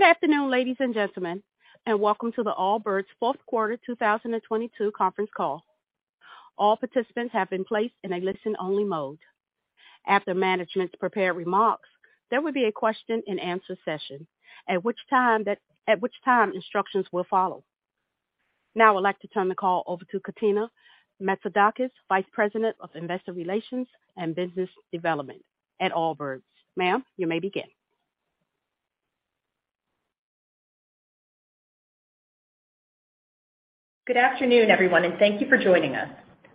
Good afternoon, ladies and gentlemen, welcome to the Allbirds Fourth Quarter 2022 Conference Call. All participants have been placed in a listen-only mode. After management's prepared remarks, there will be a question-and-answer session, at which time instructions will follow. I'd like to turn the call over to Katina Metzidakis, Vice President of Investor Relations and Business Development at Allbirds. Ma'am, you may begin. Good afternoon, everyone, and thank you for joining us.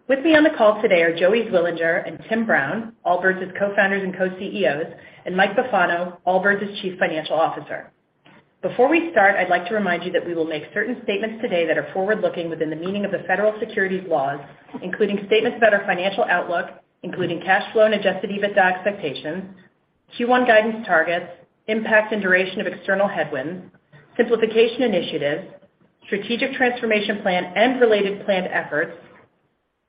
With me on the call today are Joey Zwillinger and Tim Brown, Allbirds' Co-Founders and Co-CEOs, and Mike Bufano, Allbirds' Chief Financial Officer. Before we start, I'd like to remind you that we will make certain statements today that are forward-looking within the meaning of the federal securities laws, including statements about our financial outlook, including cash flow and adjusted EBITDA expectations, Q1 guidance targets, impact and duration of external headwinds, simplification initiatives, strategic transformation plan and related planned efforts,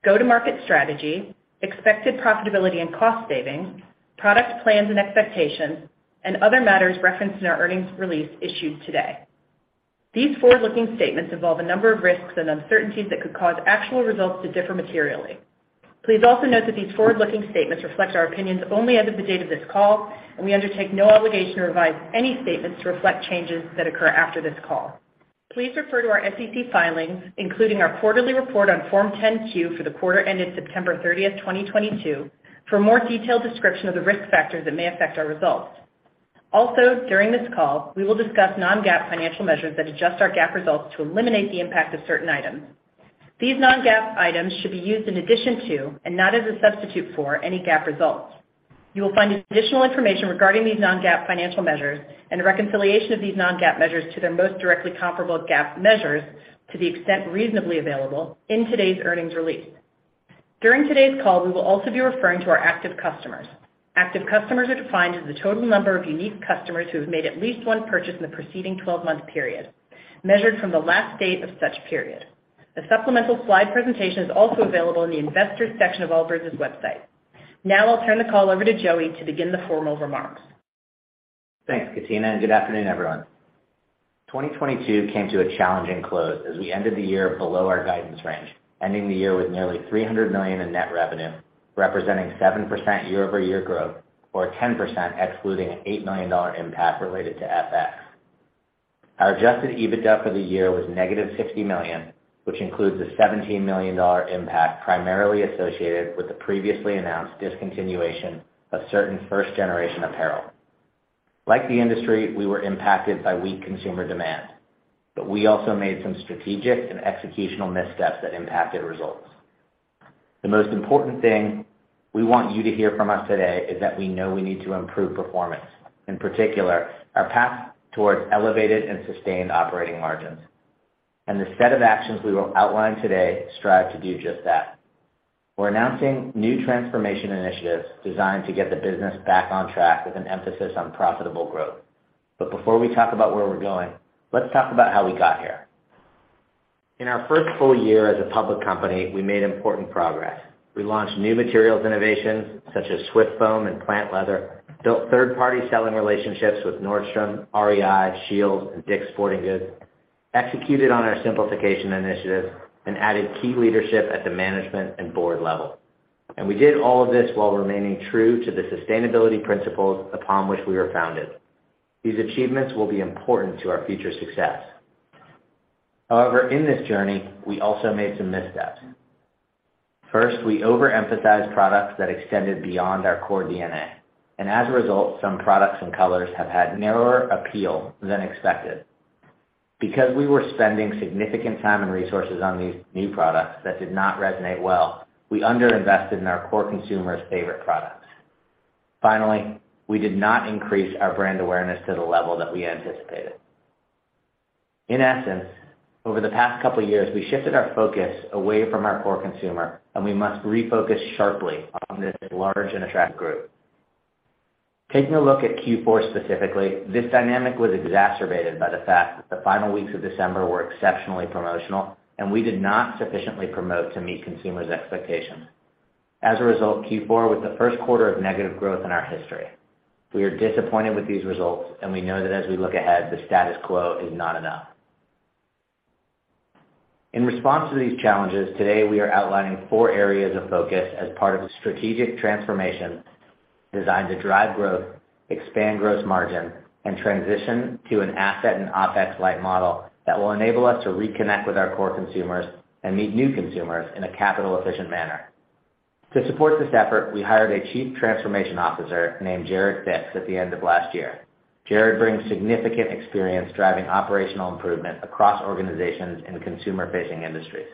go-to-market strategy, expected profitability and cost savings, product plans and expectations, and other matters referenced in our earnings release issued today. These forward-looking statements involve a number of risks and uncertainties that could cause actual results to differ materially. Please also note that these forward-looking statements reflect our opinions only as of the date of this call. We undertake no obligation to revise any statements to reflect changes that occur after this call. Please refer to our SEC filings, including our quarterly report on Form 10-Q for the quarter ended September 30th, 2022, for a more detailed description of the risk factors that may affect our results. Also, during this call, we will discuss non-GAAP financial measures that adjust our GAAP results to eliminate the impact of certain items. These non-GAAP items should be used in addition to and not as a substitute for any GAAP results. You will find additional information regarding these non-GAAP financial measures and reconciliation of these non-GAAP measures to their most directly comparable GAAP measures to the extent reasonably available in today's earnings release. During today's call, we will also be referring to our active customers. Active customers are defined as the total number of unique customers who have made at least one purchase in the preceding 12-month period, measured from the last date of such period. A supplemental slide presentation is also available in the Investors section of Allbirds' website. I'll turn the call over to Joey to begin the formal remarks. Thanks, Katina. Good afternoon, everyone. 2022 came to a challenging close as we ended the year below our guidance range, ending the year with nearly $300 million in net revenue, representing 7% year-over-year growth, or 10% excluding an $8 million impact related to FX. Our adjusted EBITDA for the year was -$60 million, which includes a $17 million impact primarily associated with the previously announced discontinuation of certain first-generation apparel. Like the industry, we were impacted by weak consumer demand. We also made some strategic and executional missteps that impacted results. The most important thing we want you to hear from us today is that we know we need to improve performance, in particular, our path towards elevated and sustained operating margins. The set of actions we will outline today strive to do just that. We're announcing new transformation initiatives designed to get the business back on track with an emphasis on profitable growth. Before we talk about where we're going, let's talk about how we got here. In our first full year as a public company, we made important progress. We launched new materials innovations such as SwiftFoam and Plant Leather, built third-party selling relationships with Nordstrom, REI, SCHEELS, and DICK'S Sporting Goods, executed on our simplification initiative, and added key leadership at the management and board level. We did all of this while remaining true to the sustainability principles upon which we were founded. These achievements will be important to our future success. However, in this journey, we also made some missteps. First, we overemphasized products that extended beyond our core DNA, and as a result, some products and colors have had narrower appeal than expected. Because we were spending significant time and resources on these new products that did not resonate well, we underinvested in our core consumers' favorite products. Finally, we did not increase our brand awareness to the level that we anticipated. In essence, over the past couple years, we shifted our focus away from our core consumer, and we must refocus sharply on this large and attractive group. Taking a look at Q4 specifically, this dynamic was exacerbated by the fact that the final weeks of December were exceptionally promotional, and we did not sufficiently promote to meet consumers' expectations. As a result, Q4 was the first quarter of negative growth in our history. We are disappointed with these results, and we know that as we look ahead, the status quo is not enough. In response to these challenges, today we are outlining four areas of focus as part of a strategic transformation designed to drive growth, expand gross margin, and transition to an asset and OpEx-light model that will enable us to reconnect with our core consumers and meet new consumers in a capital-efficient manner. To support this effort, we hired a Chief Transformation Officer named Jared Fix at the end of last year. Jared brings significant experience driving operational improvement across organizations in consumer-facing industries.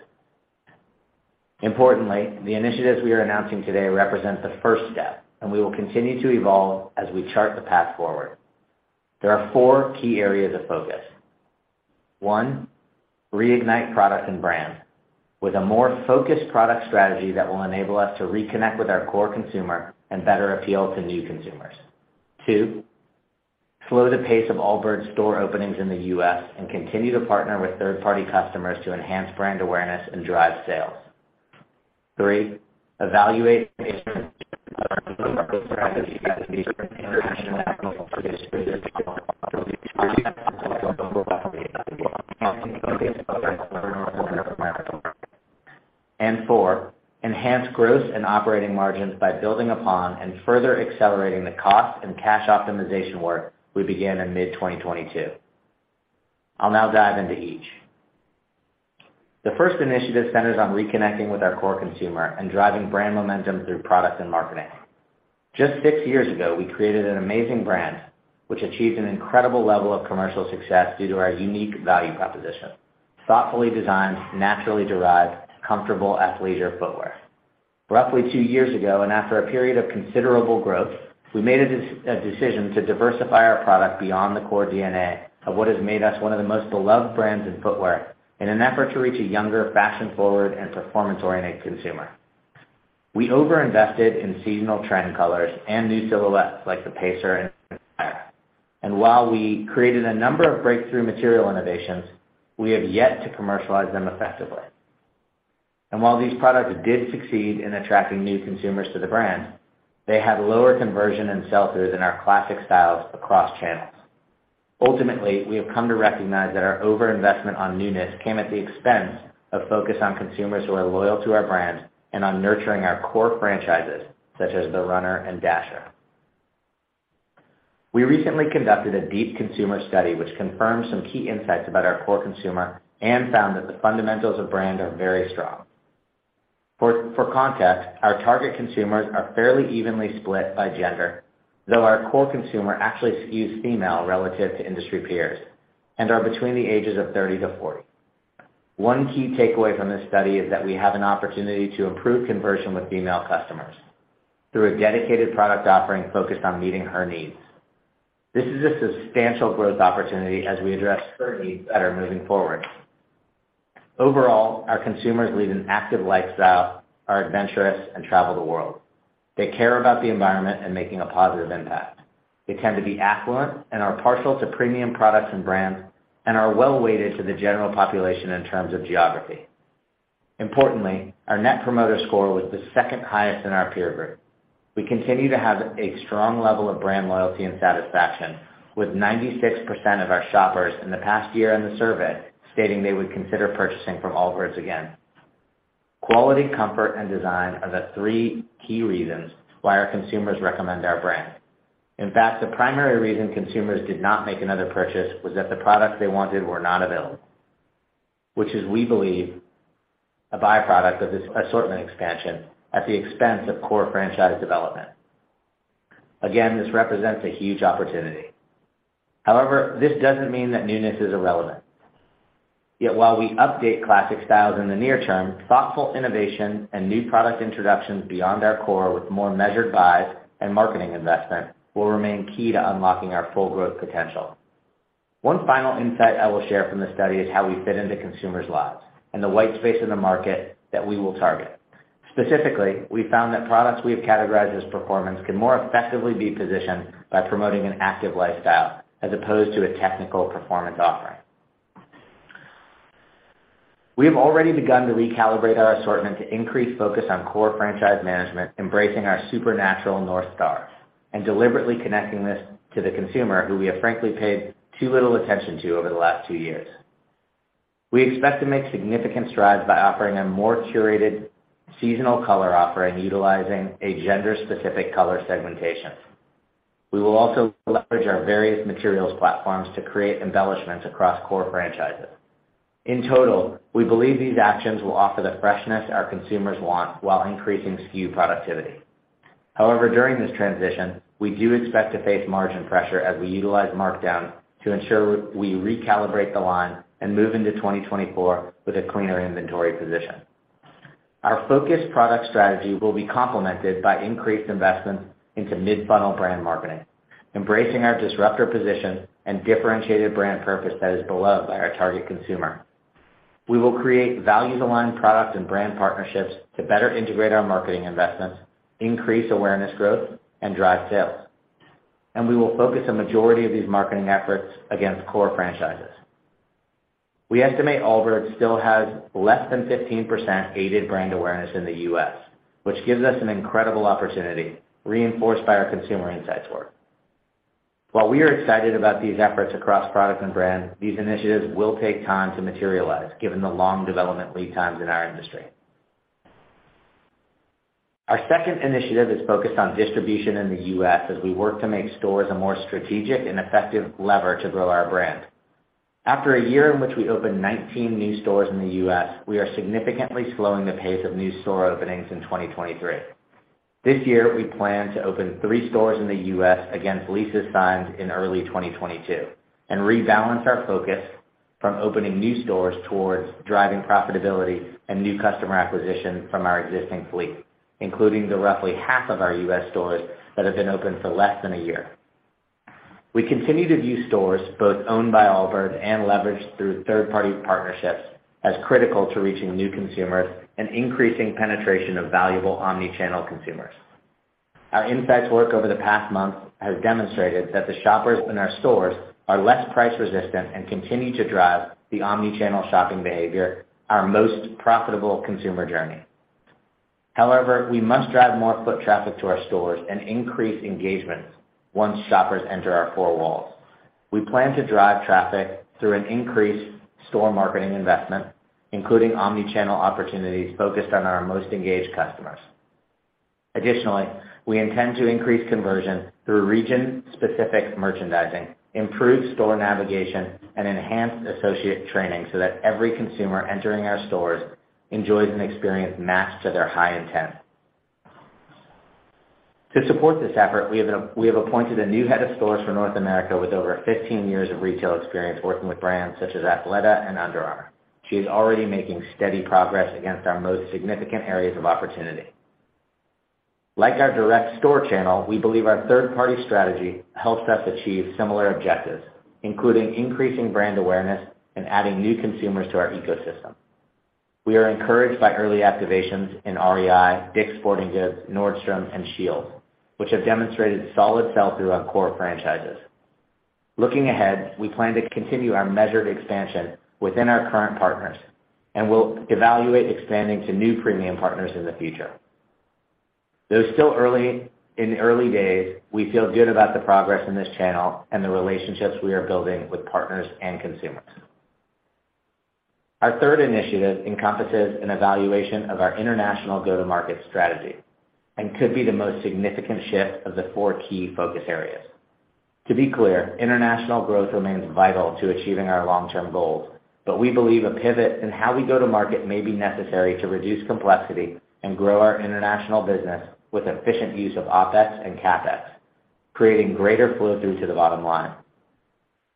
Importantly, the initiatives we are announcing today represent the first step. We will continue to evolve as we chart the path forward. There are four key areas of focus. One, reignite product and brand with a more focused product strategy that will enable us to reconnect with our core consumer and better appeal to new consumers. Two, slow the pace of Allbirds store openings in the U.S. and continue to partner with third-party customers to enhance brand awareness and drive sales. Three, evaluate and four, enhance growth and operating margins by building upon and further accelerating the cost and cash optimization work we began in mid 2022. I'll now dive into each. The first initiative centers on reconnecting with our core consumer and driving brand momentum through product and marketing. Just six years ago, we created an amazing brand which achieved an incredible level of commercial success due to our unique value proposition. Thoughtfully designed, naturally derived, comfortable athleisure footwear. Roughly two years ago, after a period of considerable growth, we made a decision to diversify our product beyond the core DNA of what has made us one of the most beloved brands in footwear in an effort to reach a younger, fashion-forward, and performance-oriented consumer. We over-invested in seasonal trend colors and new silhouettes like the Pacer and Flyer. While we created a number of breakthrough material innovations, we have yet to commercialize them effectively. While these products did succeed in attracting new consumers to the brand, they had lower conversion and sell-throughs than our classic styles across channels. Ultimately, we have come to recognize that our over-investment on newness came at the expense of focus on consumers who are loyal to our brand and on nurturing our core franchises such as the Runner and Dasher. We recently conducted a deep consumer study which confirmed some key insights about our core consumer and found that the fundamentals of brand are very strong. For context, our target consumers are fairly evenly split by gender, though our core consumer actually skews female relative to industry peers and are between the ages of 30 to 40. One key takeaway from this study is that we have an opportunity to improve conversion with female customers through a dedicated product offering focused on meeting her needs. This is a substantial growth opportunity as we address her needs better moving forward. Overall, our consumers lead an active lifestyle, are adventurous, and travel the world. They care about the environment and making a positive impact. They tend to be affluent and are partial to premium products and brands, and are well-weighted to the general population in terms of geography. Importantly, our Net Promoter Score was the second highest in our peer group. We continue to have a strong level of brand loyalty and satisfaction with 96% of our shoppers in the past year in the survey stating they would consider purchasing from Allbirds again. Quality, comfort, and design are the three key reasons why our consumers recommend our brand. In fact, the primary reason consumers did not make another purchase was that the products they wanted were not available, which is, we believe, a by-product of this assortment expansion at the expense of core franchise development. This represents a huge opportunity. This doesn't mean that newness is irrelevant. While we update classic styles in the near term, thoughtful innovation and new product introductions beyond our core with more measured buys and marketing investment will remain key to unlocking our full growth potential. One final insight I will share from this study is how we fit into consumers' lives and the white space in the market that we will target. Specifically, we found that products we have categorized as performance can more effectively be positioned by promoting an active lifestyle as opposed to a technical performance offering. We have already begun to recalibrate our assortment to increase focus on core franchise management, embracing our supernatural North Star, and deliberately connecting this to the consumer who we have frankly paid too little attention to over the last two years. We expect to make significant strides by offering a more curated seasonal color offering utilizing a gender-specific color segmentation. We will also leverage our various materials platforms to create embellishments across core franchises. In total, we believe these actions will offer the freshness our consumers want while increasing SKU productivity. During this transition, we do expect to face margin pressure as we utilize markdown to ensure we recalibrate the line and move into 2024 with a cleaner inventory position. Our focused product strategy will be complemented by increased investment into mid-funnel brand marketing, embracing our disruptor position and differentiated brand purpose that is beloved by our target consumer. We will create values-aligned product and brand partnerships to better integrate our marketing investments, increase awareness growth, and drive sales. We will focus a majority of these marketing efforts against core franchises. We estimate Allbirds still has less than 15% aided brand awareness in the U.S., which gives us an incredible opportunity reinforced by our consumer insights work. While we are excited about these efforts across product and brand, these initiatives will take time to materialize given the long development lead times in our industry. Our second initiative is focused on distribution in the U.S. as we work to make stores a more strategic and effective lever to grow our brand. After a year in which we opened 19 new stores in the U.S., we are significantly slowing the pace of new store openings in 2023. This year, we plan to open 3 stores in the U.S. against leases signed in early 2022 and rebalance our focus from opening new stores towards driving profitability and new customer acquisition from our existing fleet, including the roughly half of our U.S. stores that have been open for less than a year. We continue to view stores both owned by Allbirds and leveraged through third-party partnerships as critical to reaching new consumers and increasing penetration of valuable omni-channel consumers. Our insights work over the past month has demonstrated that the shoppers in our stores are less price resistant and continue to drive the omni-channel shopping behavior, our most profitable consumer journey. We must drive more foot traffic to our stores and increase engagements once shoppers enter our four walls. We plan to drive traffic through an increased store marketing investment, including omni-channel opportunities focused on our most engaged customers. We intend to increase conversion through region-specific merchandising, improved store navigation, and enhanced associate training so that every consumer entering our stores enjoys an experience matched to their high intent. To support this effort, we have appointed a new head of stores for North America with over 15 years of retail experience working with brands such as Athleta and Under Armour. She is already making steady progress against our most significant areas of opportunity. Like our direct store channel, we believe our third-party strategy helps us achieve similar objectives, including increasing brand awareness and adding new consumers to our ecosystem. We are encouraged by early activations in REI, DICK'S Sporting Goods, Nordstrom, and SCHEELS, which have demonstrated solid sell-through on core franchises. Looking ahead, we plan to continue our measured expansion within our current partners, and we'll evaluate expanding to new premium partners in the future. Though still in the early days, we feel good about the progress in this channel and the relationships we are building with partners and consumers. Our third initiative encompasses an evaluation of our international go-to-market strategy and could be the most significant shift of the four key focus areas. To be clear, international growth remains vital to achieving our long-term goals, but we believe a pivot in how we go to market may be necessary to reduce complexity and grow our international business with efficient use of OpEx and CapEx, creating greater flow through to the bottom line.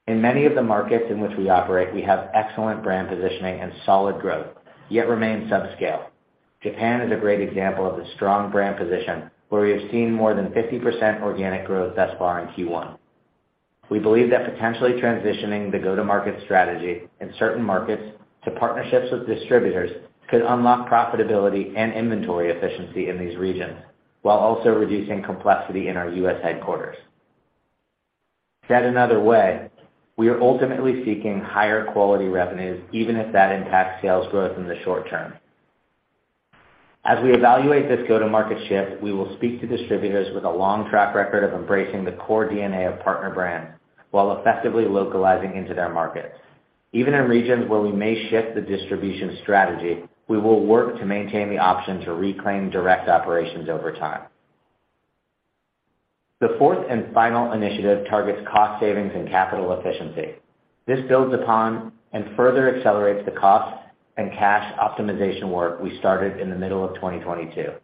In many of the markets in which we operate, we have excellent brand positioning and solid growth, yet remain subscale. Japan is a great example of a strong brand position, where we have seen more than 50% organic growth thus far in Q1. We believe that potentially transitioning the go-to-market strategy in certain markets to partnerships with distributors could unlock profitability and inventory efficiency in these regions, while also reducing complexity in our U.S. headquarters. Said another way, we are ultimately seeking higher quality revenues, even if that impacts sales growth in the short term. As we evaluate this go-to-market shift, we will speak to distributors with a long track record of embracing the core DNA of partner brand while effectively localizing into their markets. Even in regions where we may shift the distribution strategy, we will work to maintain the option to reclaim direct operations over time. The fourth and final initiative targets cost savings and capital efficiency. This builds upon and further accelerates the cost and cash optimization work we started in the middle of 2022. To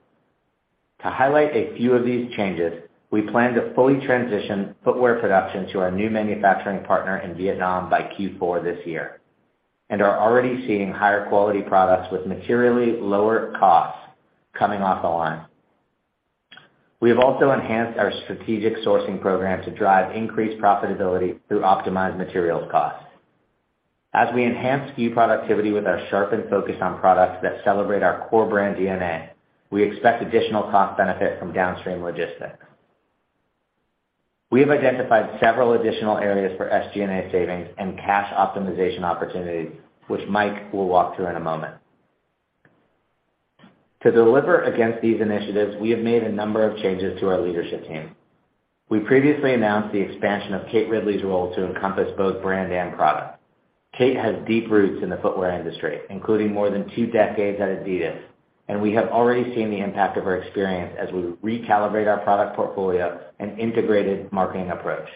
highlight a few of these changes, we plan to fully transition footwear production to our new manufacturing partner in Vietnam by Q4 this year, and are already seeing higher quality products with materially lower costs coming off the line. We have also enhanced our strategic sourcing program to drive increased profitability through optimized materials costs. As we enhance SKU productivity with our sharpened focus on products that celebrate our core brand DNA, we expect additional cost benefit from downstream logistics. We have identified several additional areas for SG&A savings and cash optimization opportunities, which Mike will walk through in a moment. To deliver against these initiatives, we have made a number of changes to our leadership team. We previously announced the expansion of Kate Ridley's role to encompass both brand and product. Kate has deep roots in the footwear industry, including more than two decades at Adidas, and we have already seen the impact of her experience as we recalibrate our product portfolio and integrated marketing approach.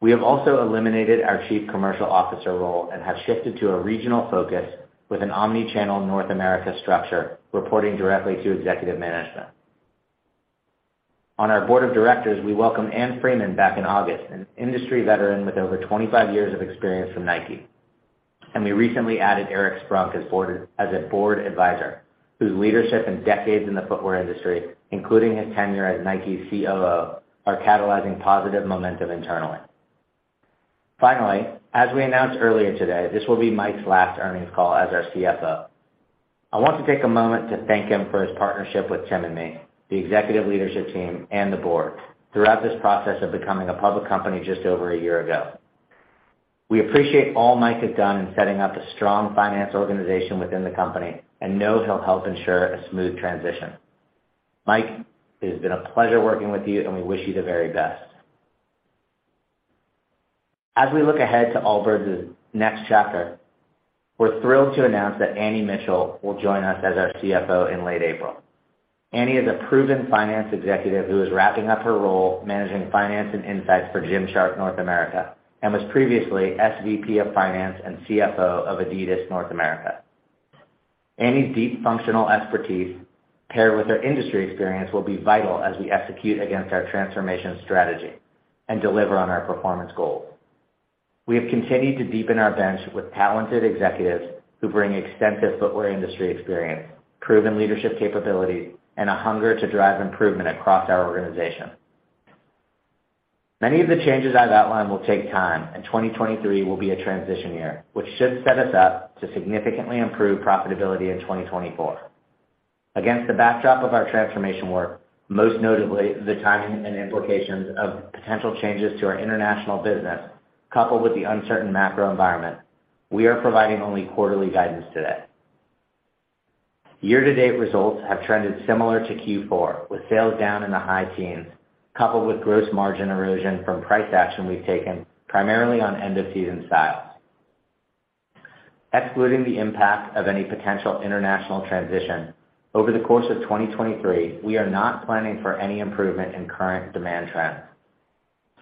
We have also eliminated our Chief Commercial Officer role and have shifted to a regional focus with an omni-channel North America structure reporting directly to executive management. On our board of directors, we welcomed Ann Freeman back in August, an industry veteran with over 25 years of experience from Nike. We recently added Eric Sprunk as a board advisor, whose leadership and decades in the footwear industry, including his tenure as Nike's COO, are catalyzing positive momentum internally. Finally, as we announced earlier today, this will be Mike's last earnings call as our CFO. I want to take a moment to thank him for his partnership with Tim and me, the executive leadership team, and the board throughout this process of becoming a public company just over a year ago. We appreciate all Mike has done in setting up a strong finance organization within the company and know he'll help ensure a smooth transition. Mike, it has been a pleasure working with you, and we wish you the very best. As we look ahead to Allbirds' next chapter, we're thrilled to announce that Annie Mitchell will join us as our CFO in late April. Annie is a proven finance executive who is wrapping up her role managing finance and insights for Gymshark North America, and was previously SVP of Finance and CFO of Adidas North America. Annie's deep functional expertise paired with her industry experience will be vital as we execute against our transformation strategy and deliver on our performance goals. We have continued to deepen our bench with talented executives who bring extensive footwear industry experience, proven leadership capabilities, and a hunger to drive improvement across our organization. Many of the changes I've outlined will take time, and 2023 will be a transition year, which should set us up to significantly improve profitability in 2024. Against the backdrop of our transformation work, most notably the timing and implications of potential changes to our international business, coupled with the uncertain macro environment, we are providing only quarterly guidance today. Year-to-date results have trended similar to Q4, with sales down in the high-teens, coupled with gross margin erosion from price action we've taken primarily on end-of-season styles. Excluding the impact of any potential international transition, over the course of 2023, we are not planning for any improvement in current demand trends.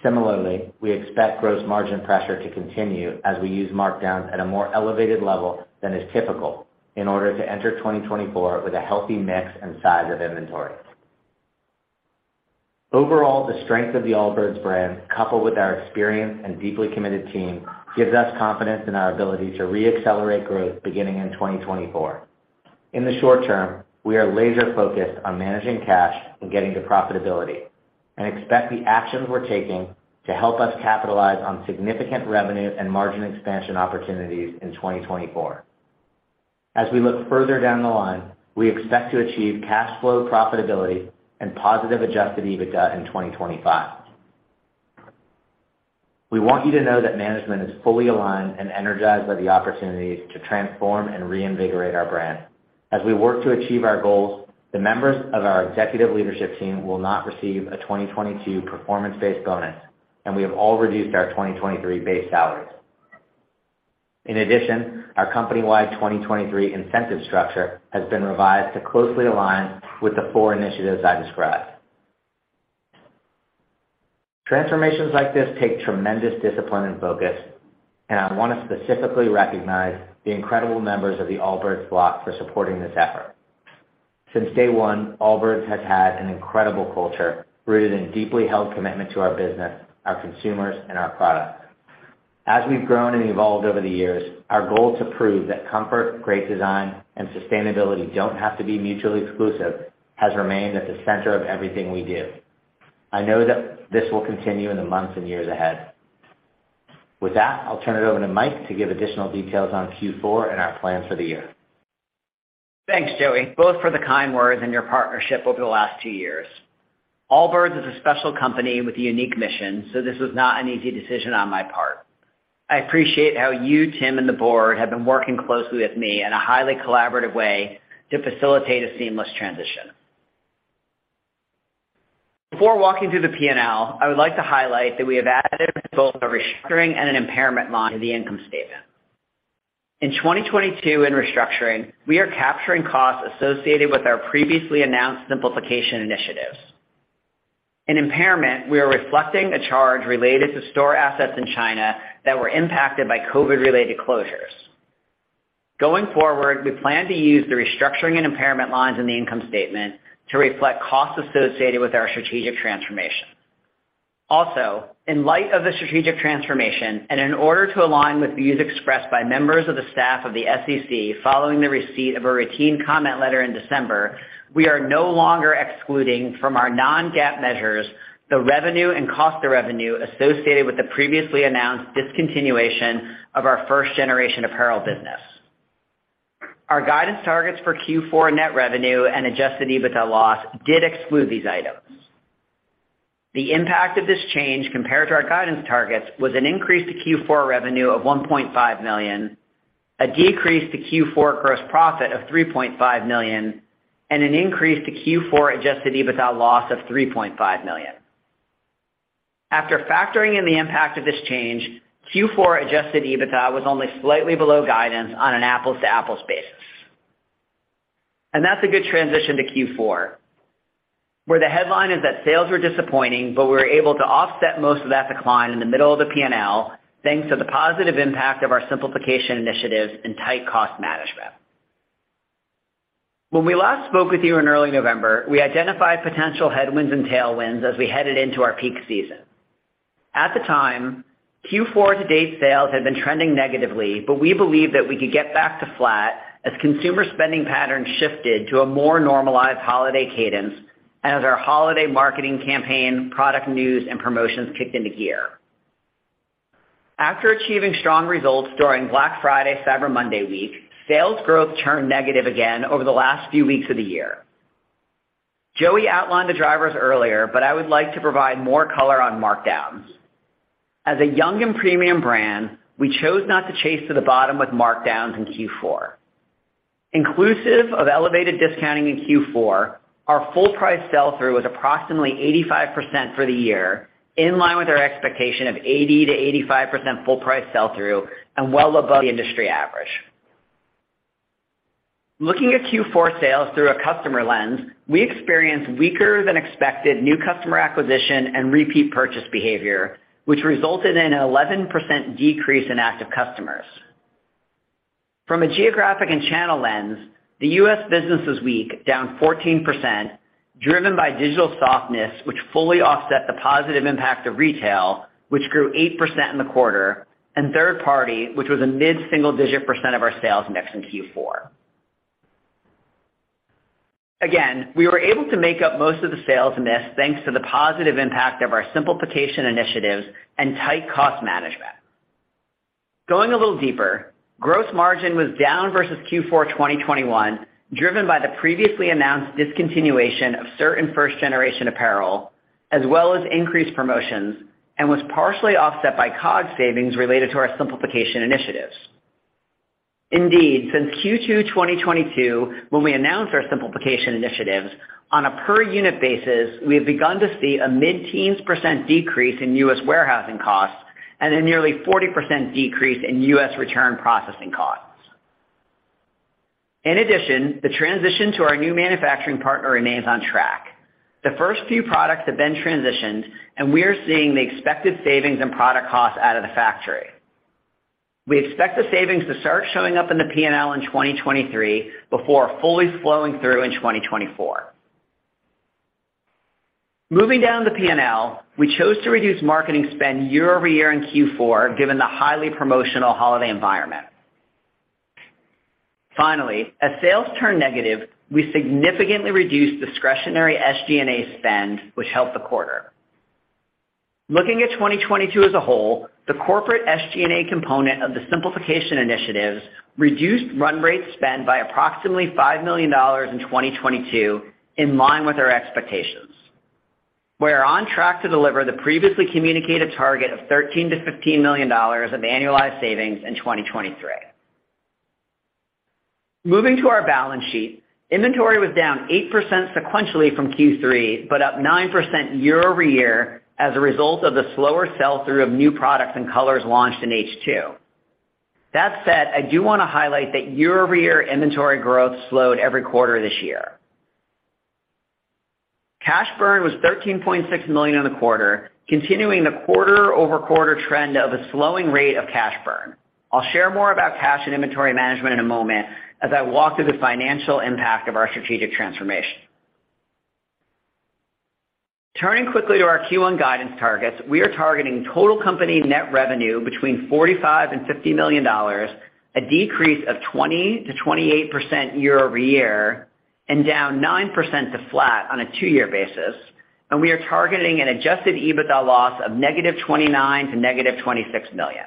Similarly, we expect gross margin pressure to continue as we use markdowns at a more elevated level than is typical in order to enter 2024 with a healthy mix and size of inventory. Overall, the strength of the Allbirds brand, coupled with our experience and deeply committed team, gives us confidence in our ability to re-accelerate growth beginning in 2024. In the short term, we are laser-focused on managing cash and getting to profitability, and expect the actions we're taking to help us capitalize on significant revenue and margin expansion opportunities in 2024. As we look further down the line, we expect to achieve cash flow profitability and positive adjusted EBITDA in 2025. We want you to know that management is fully aligned and energized by the opportunities to transform and reinvigorate our brand. As we work to achieve our goals, the members of our executive leadership team will not receive a 2022 performance-based bonus, and we have all reduced our 2023 base salaries. Our company-wide 2023 incentive structure has been revised to closely align with the four initiatives I described. Transformations like this take tremendous discipline and focus, I want to specifically recognize the incredible members of the Allbirds flock for supporting this effort. Since day one, Allbirds has had an incredible culture rooted in deeply held commitment to our business, our consumers, and our product. As we've grown and evolved over the years, our goal to prove that comfort, great design, and sustainability don't have to be mutually exclusive has remained at the center of everything we do. I know that this will continue in the months and years ahead. With that, I'll turn it over to Mike to give additional details on Q4 and our plans for the year. Thanks, Joey, both for the kind words and your partnership over the last two years. This was not an easy decision on my part. I appreciate how you, Tim, and the board have been working closely with me in a highly collaborative way to facilitate a seamless transition. Before walking through the P&L, I would like to highlight that we have added both a restructuring and an impairment line to the income statement. In 2022 in restructuring, we are capturing costs associated with our previously announced simplification initiatives. In impairment, we are reflecting a charge related to store assets in China that were impacted by COVID-related closures. Going forward, we plan to use the restructuring and impairment lines in the income statement to reflect costs associated with our strategic transformation. In light of the strategic transformation, and in order to align with views expressed by members of the staff of the SEC following the receipt of a routine comment letter in December, we are no longer excluding from our non-GAAP measures the revenue and cost of revenue associated with the previously announced discontinuation of our first-generation apparel business. Our guidance targets for Q4 net revenue and adjusted EBITDA loss did exclude these items. The impact of this change compared to our guidance targets was an increase to Q4 revenue of $1.5 million, a decrease to Q4 gross profit of $3.5 million, and an increase to Q4 adjusted EBITDA loss of $3.5 million. After factoring in the impact of this change, Q4 adjusted EBITDA was only slightly below guidance on an apples-to-apples basis. That's a good transition to Q4, where the headline is that sales were disappointing, but we were able to offset most of that decline in the middle of the P&L thanks to the positive impact of our simplification initiatives and tight cost management. When we last spoke with you in early November, we identified potential headwinds and tailwinds as we headed into our peak season. At the time, Q4 to date sales had been trending negatively, but we believed that we could get back to flat as consumer spending patterns shifted to a more normalized holiday cadence and as our holiday marketing campaign, product news, and promotions kicked into gear. After achieving strong results during Black Friday/Cyber Monday week, sales growth turned negative again over the last few weeks of the year. Joey outlined the drivers earlier, but I would like to provide more color on markdowns. As a young and premium brand, we chose not to chase to the bottom with markdowns in Q4. Inclusive of elevated discounting in Q4, our full price sell-through was approximately 85% for the year, in line with our expectation of 80%-85% full price sell-through and well above the industry average. Looking at Q4 sales through a customer lens, we experienced weaker than expected new customer acquisition and repeat purchase behavior, which resulted in an 11% decrease in active customers. From a geographic and channel lens, the U.S. business was weak, down 14%, driven by digital softness, which fully offset the positive impact of retail, which grew 8% in the quarter, and third party, which was a mid-single digit percent of our sales mix in Q4. We were able to make up most of the sales miss thanks to the positive impact of our simplification initiatives and tight cost management. Going a little deeper, gross margin was down versus Q4 2021, driven by the previously announced discontinuation of certain first generation apparel as well as increased promotions, and was partially offset by COGS savings related to our simplification initiatives. Since Q2 2022, when we announced our simplification initiatives, on a per unit basis, we have begun to see a mid-teens % decrease in U.S. warehousing costs and a nearly 40% decrease in U.S. return processing costs. In addition, the transition to our new manufacturing partner remains on track. The first few products have been transitioned, and we are seeing the expected savings in product costs out of the factory. We expect the savings to start showing up in the P&L in 2023 before fully flowing through in 2024. Moving down the P&L, we chose to reduce marketing spend year-over-year in Q4, given the highly promotional holiday environment. Finally, as sales turned negative, we significantly reduced discretionary SG&A spend, which helped the quarter. Looking at 2022 as a whole, the corporate SG&A component of the simplification initiatives reduced run rate spend by approximately $5 million in 2022, in line with our expectations. We are on track to deliver the previously communicated target of $13 million-$15 million of annualized savings in 2023. Moving to our balance sheet, inventory was down 8% sequentially from Q3, but up 9% year-over-year as a result of the slower sell-through of new products and colors launched in H2. That said, I do want to highlight that year-over-year inventory growth slowed every quarter this year. Cash burn was $13.6 million in the quarter, continuing the quarter-over-quarter trend of a slowing rate of cash burn. I'll share more about cash and inventory management in a moment as I walk through the financial impact of our strategic transformation. Turning quickly to our Q1 guidance targets, we are targeting total company net revenue between $45 million and $50 million, a decrease of 20% to 28% year-over-year, and down 9% to flat on a two-year basis. We are targeting an adjusted EBITDA loss of -$29 million to -$26 million.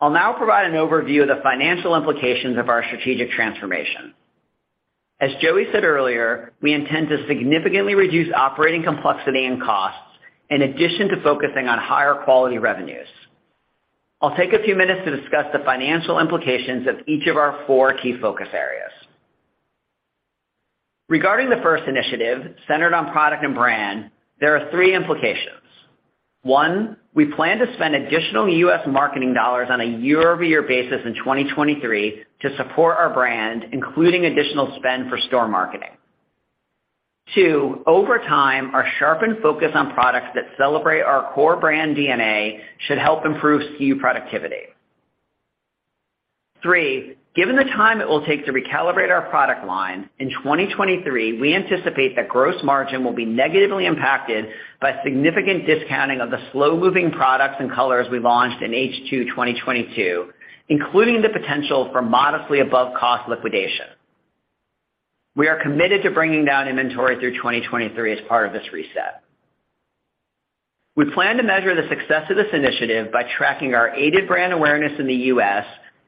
I'll now provide an overview of the financial implications of our strategic transformation. As Joey said earlier, we intend to significantly reduce operating complexity and costs in addition to focusing on higher quality revenues. I'll take a few minutes to discuss the financial implications of each of our four key focus areas. Regarding the first initiative, centered on product and brand, there are three implications- one, we plan to spend additional U.S. marketing dollars on a year-over-year basis in 2023 to support our brand, including additional spend for store marketing. Two, over time, our sharpened focus on products that celebrate our core brand DNA should help improve SKU productivity. Three, given the time it will take to recalibrate our product line, in 2023, we anticipate that gross margin will be negatively impacted by significant discounting of the slow-moving products and colors we launched in H2 2022, including the potential for modestly above-cost liquidation. We are committed to bringing down inventory through 2023 as part of this reset. We plan to measure the success of this initiative by tracking our aided brand awareness in the U.S.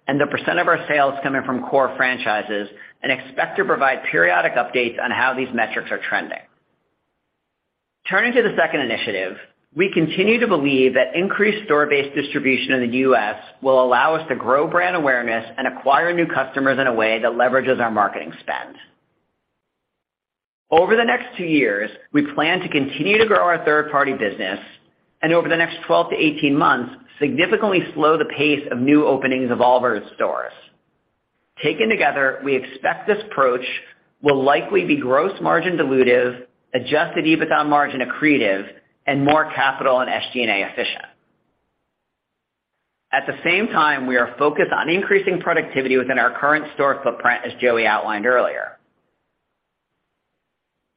and the % of our sales coming from core franchises and expect to provide periodic updates on how these metrics are trending. Turning to the second initiative, we continue to believe that increased store-based distribution in the U.S. will allow us to grow brand awareness and acquire new customers in a way that leverages our marketing spend. Over the next two years, we plan to continue to grow our third-party business, and over the next 12-18 months, significantly slow the pace of new openings of Allbirds stores. Taken together, we expect this approach will likely be gross margin dilutive, adjusted EBITDA margin accretive, and more capital and SG&A efficient. At the same time, we are focused on increasing productivity within our current store footprint, as Joey outlined earlier.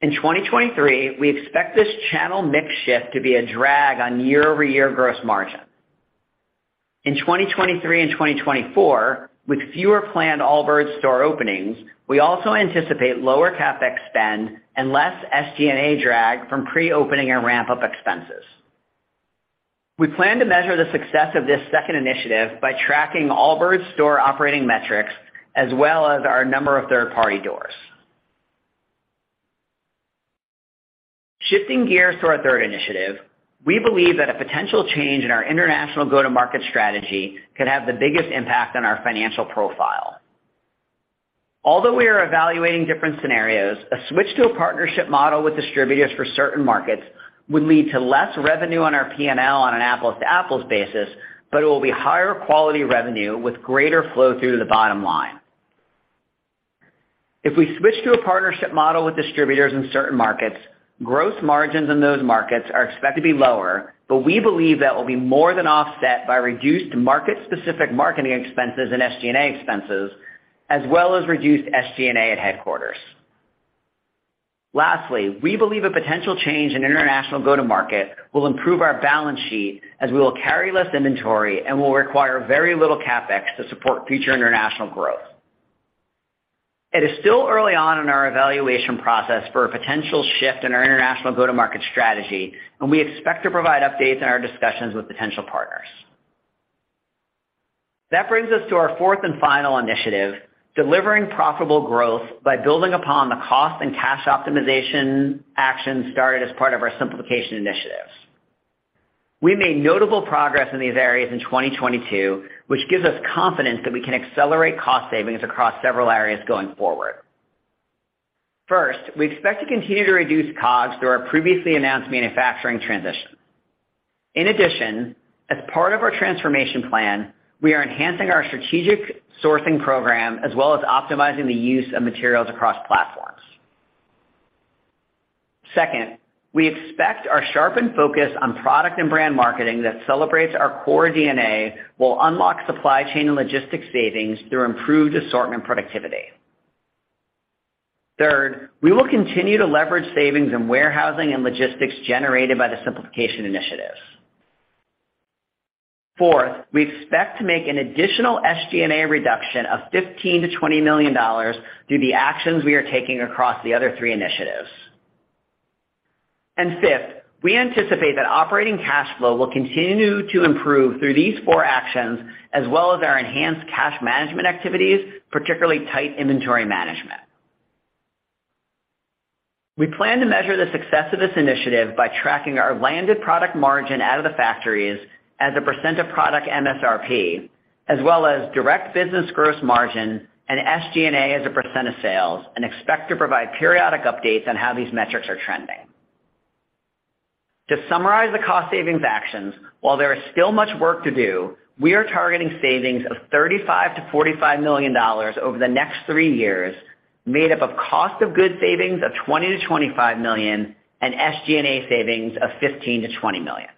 In 2023, we expect this channel mix shift to be a drag on year-over-year gross margin. In 2023 and 2024, with fewer planned Allbirds store openings, we also anticipate lower CapEx spend and less SG&A drag from pre-opening and ramp-up expenses. We plan to measure the success of this second initiative by tracking Allbirds store operating metrics as well as our number of third-party doors. Shifting gears to our third initiative, we believe that a potential change in our international go-to-market strategy could have the biggest impact on our financial profile. Although we are evaluating different scenarios, a switch to a partnership model with distributors for certain markets would lead to less revenue on our P&L on an apples-to-apples basis, but it will be higher quality revenue with greater flow through to the bottom line. If we switch to a partnership model with distributors in certain markets, gross margins in those markets are expected to be lower, but we believe that will be more than offset by reduced market-specific marketing expenses and SG&A expenses, as well as reduced SG&A at headquarters. We believe a potential change in international go-to-market will improve our balance sheet as we will carry less inventory and will require very little CapEx to support future international growth. It is still early on in our evaluation process for a potential shift in our international go-to-market strategy, and we expect to provide updates in our discussions with potential partners. That brings us to our fourth and final initiative, delivering profitable growth by building upon the cost and cash optimization actions started as part of our simplification initiatives. We made notable progress in these areas in 2022, which gives us confidence that we can accelerate cost savings across several areas going forward. First, we expect to continue to reduce costs through our previously announced manufacturing transition. In addition, as part of our transformation plan, we are enhancing our strategic sourcing program, as well as optimizing the use of materials across platforms. Second, we expect our sharpened focus on product and brand marketing that celebrates our core DNA will unlock supply chain and logistics savings through improved assortment productivity. Third, we will continue to leverage savings in warehousing and logistics generated by the simplification initiatives. Fourth, we expect to make an additional SG&A reduction of $15 million to $20 million through the actions we are taking across the other three initiatives. Fifth, we anticipate that operating cash flow will continue to improve through these four actions, as well as our enhanced cash management activities, particularly tight inventory management. We plan to measure the success of this initiative by tracking our landed product margin out of the factories as a percent of product MSRP, as well as direct business gross margin and SG&A as a % of sales, and expect to provide periodic updates on how these metrics are trending. To summarize the cost savings actions, while there is still much work to do, we are targeting savings of $35 million to $45 million over the next three years, made up of cost savings of $20 million-$25 million and SG&A savings of $15 million-$20 million.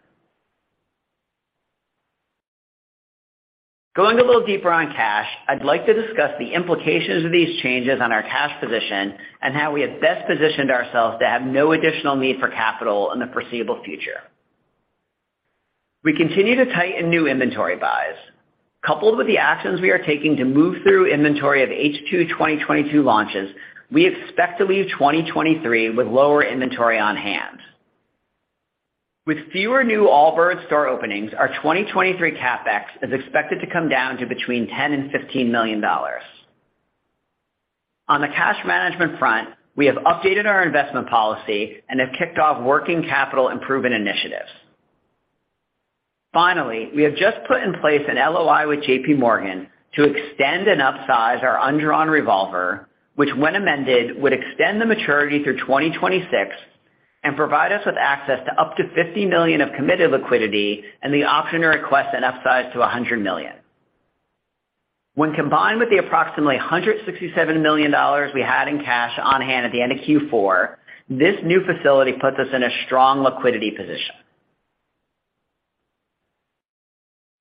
Going a little deeper on cash, I'd like to discuss the implications of these changes on our cash position and how we have best positioned ourselves to have no additional need for capital in the foreseeable future. We continue to tighten new inventory buys. Coupled with the actions we are taking to move through inventory of H2 2022 launches, we expect to leave 2023 with lower inventory on hand. With fewer new Allbirds store openings, our 2023 CapEx is expected to come down to between $10 million-$15 million. On the cash management front, we have updated our investment policy and have kicked off working capital improvement initiatives. We have just put in place an LOI with JPMorgan to extend and upsize our undrawn revolver, which when amended, would extend the maturity through 2026 and provide us with access to up to $50 million of committed liquidity and the option to request an upsize to $100 million. When combined with the approximately $167 million we had in cash on hand at the end of Q4, this new facility puts us in a strong liquidity position.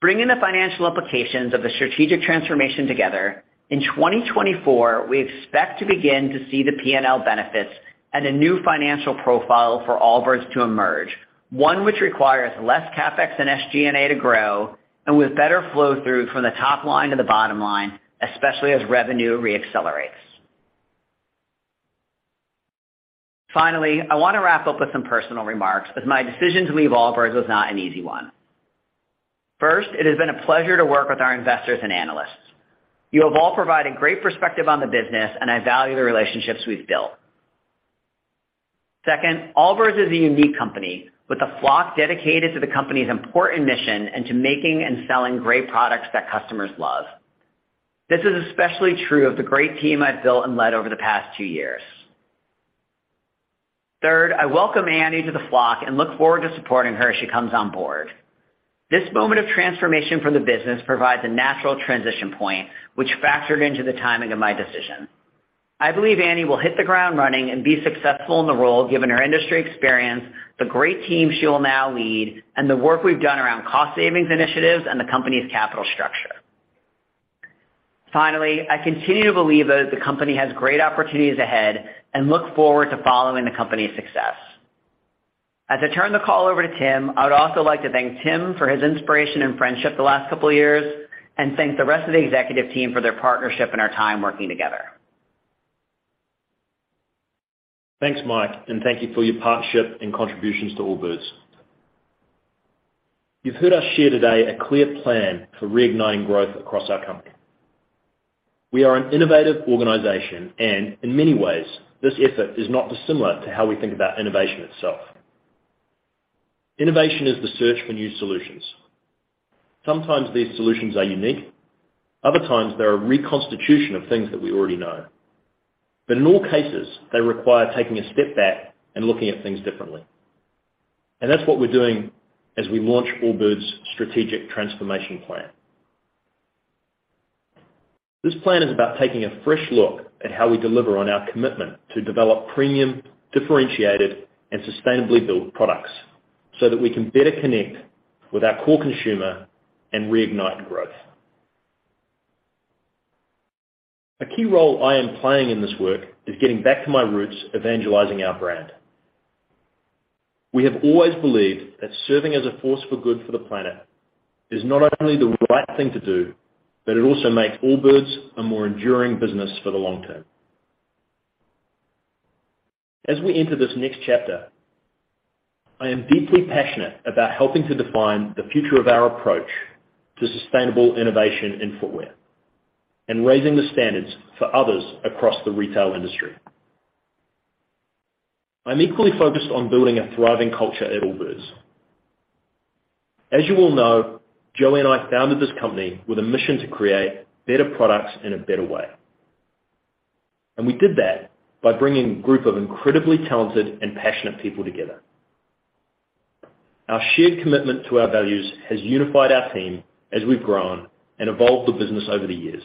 Bringing the financial implications of the strategic transformation together, in 2024, we expect to begin to see the P&L benefits and a new financial profile for Allbirds to emerge, one which requires less CapEx and SG&A to grow and with better flow through from the top line to the bottom line, especially as revenue re-accelerates. Finally, I wanna wrap up with some personal remarks, as my decision to leave Allbirds was not an easy one. First, it has been a pleasure to work with our investors and analysts. You have all provided great perspective on the business, and I value the relationships we've built. Second, Allbirds is a unique company with a flock dedicated to the company's important mission and to making and selling great products that customers love. This is especially true of the great team I've built and led over the past two years. Third, I welcome Annie to the flock and look forward to supporting her as she comes on board. This moment of transformation for the business provides a natural transition point, which factored into the timing of my decision. I believe Annie will hit the ground running and be successful in the role, given her industry experience, the great team she will now lead, and the work we've done around cost savings initiatives and the company's capital structure. Finally, I continue to believe that the company has great opportunities ahead and look forward to following the company's success. As I turn the call over to Tim, I would also like to thank Tim for his inspiration and friendship the last couple of years, and thank the rest of the executive team for their partnership and our time working together. Thanks, Mike. Thank you for your partnership and contributions to Allbirds. You've heard us share today a clear plan for reigniting growth across our company. We are an innovative organization. In many ways, this effort is not dissimilar to how we think about innovation itself. Innovation is the search for new solutions. Sometimes these solutions are unique. Other times, they're a reconstitution of things that we already know. In all cases, they require taking a step back and looking at things differently. That's what we're doing as we launch Allbirds' strategic transformation plan. This plan is about taking a fresh look at how we deliver on our commitment to develop premium, differentiated, and sustainably built products so that we can better connect with our core consumer and reignite growth. A key role I am playing in this work is getting back to my roots, evangelizing our brand. We have always believed that serving as a force for good for the planet is not only the right thing to do, but it also makes Allbirds a more enduring business for the long term. As we enter this next chapter, I am deeply passionate about helping to define the future of our approach to sustainable innovation in footwear and raising the standards for others across the retail industry. I'm equally focused on building a thriving culture at Allbirds. As you all know, Joey and I founded this company with a mission to create better products in a better way. We did that by bringing a group of incredibly talented and passionate people together. Our shared commitment to our values has unified our team as we've grown and evolved the business over the years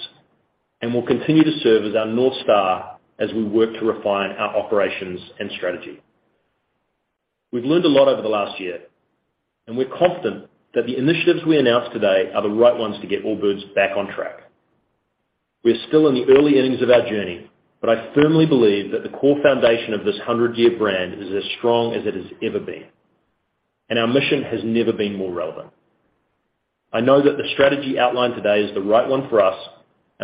and will continue to serve as our North Star as we work to refine our operations and strategy. We've learned a lot over the last year. We're confident that the initiatives we announced today are the right ones to get Allbirds back on track. We are still in the early innings of our journey. I firmly believe that the core foundation of this 100-year brand is as strong as it has ever been. Our mission has never been more relevant. I know that the strategy outlined today is the right one for us.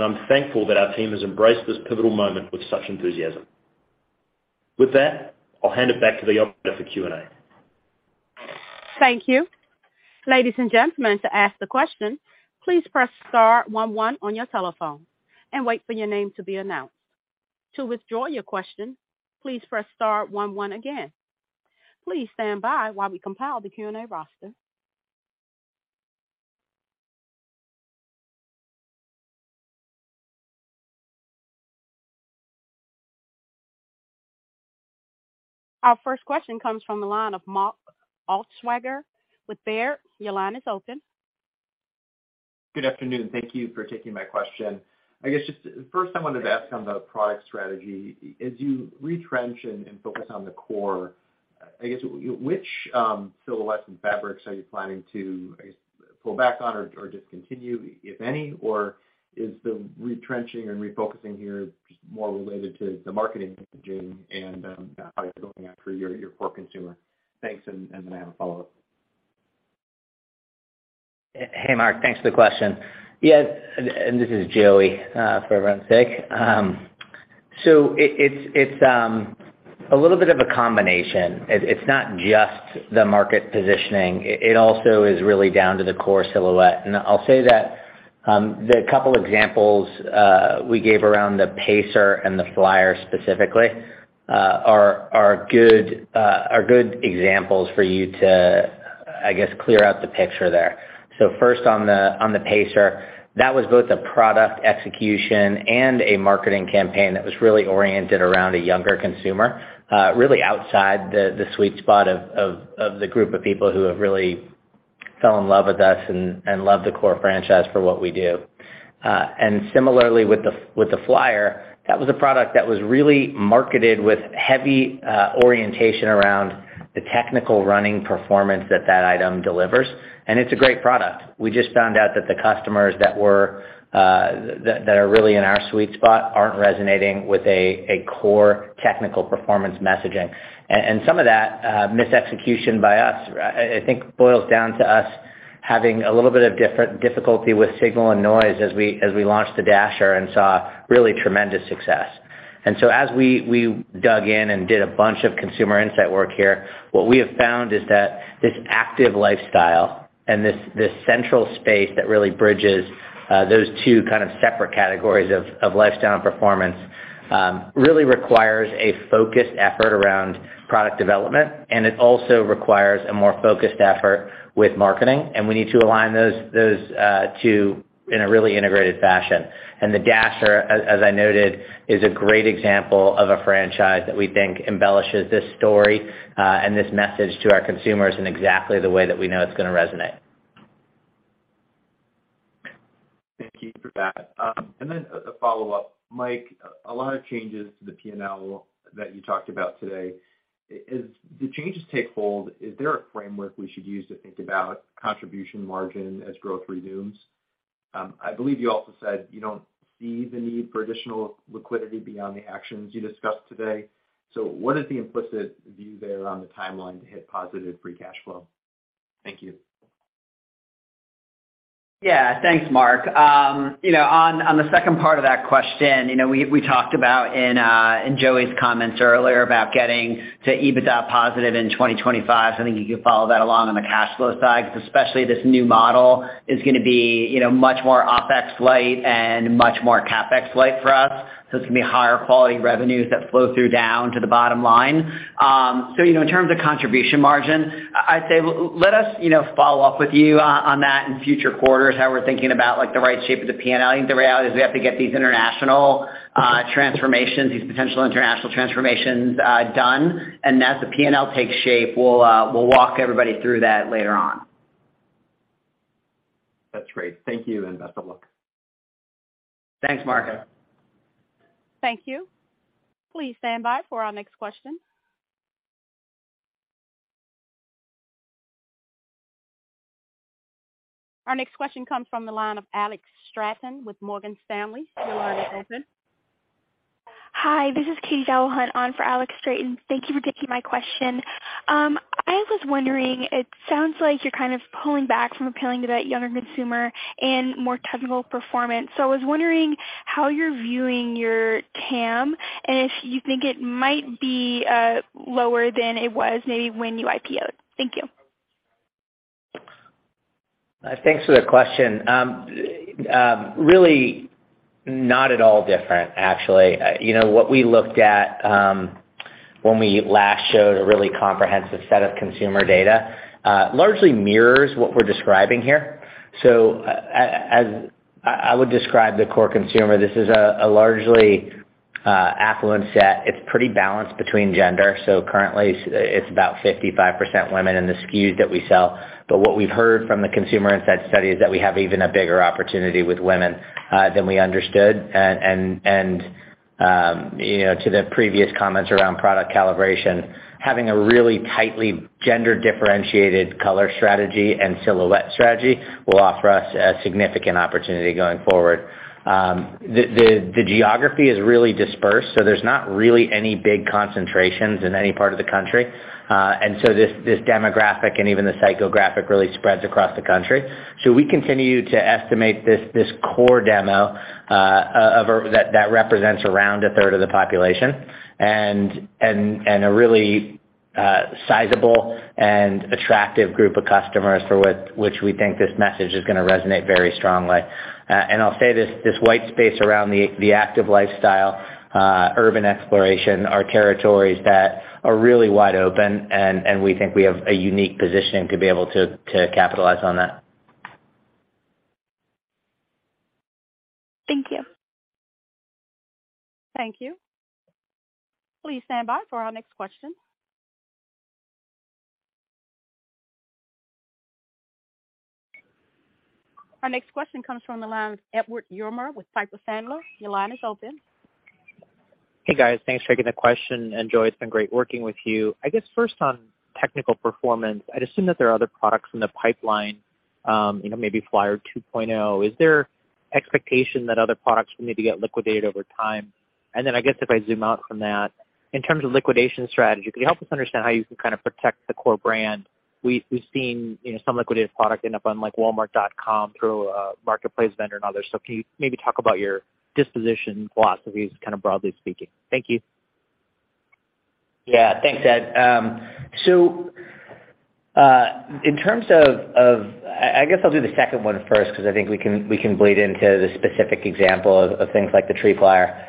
I'm thankful that our team has embraced this pivotal moment with such enthusiasm. With that, I'll hand it back to the operator for Q&A. Thank you. Ladies and gentlemen, to ask the question, please press star one one on your telephone and wait for your name to be announced. To withdraw your question, please press star one one again. Please stand by while we compile the Q&A roster. Our first question comes from the line of Mark Altschwager with Baird. Your line is open. Good afternoon. Thank you for taking my question. I guess just first I wanted to ask on the product strategy. As you retrench and focus on the core, I guess which silhouettes and fabrics are you planning to, I guess, pull back on or discontinue, if any? Or is the retrenching and refocusing here just more related to the marketing and how you're going after your core consumer? Thanks. Then I have a follow-up. Hey, Mark, thanks for the question. Yes, this is Joey, for everyone's sake. It's a little bit of a combination. It also is really down to the core silhouette. I'll say that the couple examples we gave around the Pacer and the Flyer specifically are good examples for you to, I guess, clear out the picture there. First on the Pacer, that was both a product execution and a marketing campaign that was really oriented around a younger consumer, really outside the sweet spot of the group of people who have really fell in love with us and love the core franchise for what we do. Similarly with the Flyer, that was a product that was really marketed with heavy orientation around the technical running performance that that item delivers. It's a great product. We just found out that the customers that were that are really in our sweet spot aren't resonating with a core technical performance messaging. Some of that misexecution by us, I think boils down to us having a little bit of difficulty with signal and noise as we launched the Dasher and saw really tremendous success. As we dug in and did a bunch of consumer insight work here, what we have found is that this active lifestyle and this central space that really bridges those two kind of separate categories of lifestyle and performance really requires a focused effort around product development, and it also requires a more focused effort with marketing, and we need to align those two in a really integrated fashion. The Dasher, as I noted, is a great example of a franchise that we think embellishes this story and this message to our consumers in exactly the way that we know it's gonna resonate. Thank you for that. A follow-up, Mike, a lot of changes to the P&L that you talked about today. As the changes take hold, is there a framework we should use to think about contribution margin as growth resumes? I believe you also said you don't see the need for additional liquidity beyond the actions you discussed today. What is the implicit view there on the timeline to hit positive free cash flow? Thank you. Thanks, Mark. You know, on the second part of that question, you know, we talked about in Joey's comments earlier about getting to EBITDA positive in 2025. I think you can follow that along on the cash flow side, because especially this new model is gonna be, you know, much more OpEx light and much more CapEx light for us. It's gonna be higher quality revenues that flow through down to the bottom line. You know, in terms of contribution margin, I'd say let us, you know, follow up with you on that in future quarters, how we're thinking about like the right shape of the P&L. I think the reality is we have to get these international transformations, these potential international transformations done. As the P&L takes shape, we'll walk everybody through that later on. That's great. Thank you, and best of luck. Thanks, Mark. Thank you. Please stand by for our next question. Our next question comes from the line of Alex Straton with Morgan Stanley. Your line is open. Hi, this is Katie Delahunt on for Alex Straton. Thank you for taking my question. I was wondering, it sounds like you're kind of pulling back from appealing to that younger consumer and more technical performance. I was wondering how you're viewing your TAM and if you think it might be lower than it was maybe when you IPO'd. Thank you. Thanks for the question. Really not at all different, actually. What we looked at, when we last showed a really comprehensive set of consumer data, largely mirrors what we're describing here. As I would describe the core consumer, this is a largely affluent set. It's pretty balanced between gender. Currently it's about 55% women in the SKUs that we sell. What we've heard from the consumer insight study is that we have even a bigger opportunity with women than we understood. To the previous comments around product calibration, having a really tightly gender differentiated color strategy and silhouette strategy will offer us a significant opportunity going forward. The geography is really dispersed. There's not really any big concentrations in any part of the country. This demographic and even the psychographic really spreads across the country. We continue to estimate this core demo, that represents around a 1/3 of the population and a really sizable and attractive group of customers for which we think this message is gonna resonate very strongly. I'll say this white space around the active lifestyle, urban exploration are territories that are really wide open, and we think we have a unique positioning to be able to capitalize on that. Thank you. Thank you. Please stand by for our next question. Our next question comes from the line of Edward Yruma with Piper Sandler. Your line is open. Hey, guys. Thanks for taking the question. Joey, it's been great working with you. I guess first on technical performance, I'd assume that there are other products in the pipeline, you know, maybe Flyer 2.0. Is there expectation that other products will need to get liquidated over time? Then I guess if I zoom out from that, in terms of liquidation strategy, could you help us understand how you can kind of protect the core brand? We've seen, you know, some liquidated product end up on like walmart.com through a marketplace vendor and others. Can you maybe talk about your disposition philosophy just kind of broadly speaking? Thank you. Yeah. Thanks, Ed. In terms of, I guess I'll do the second one first because I think we can bleed into the specific example of things like the Tree Flyer.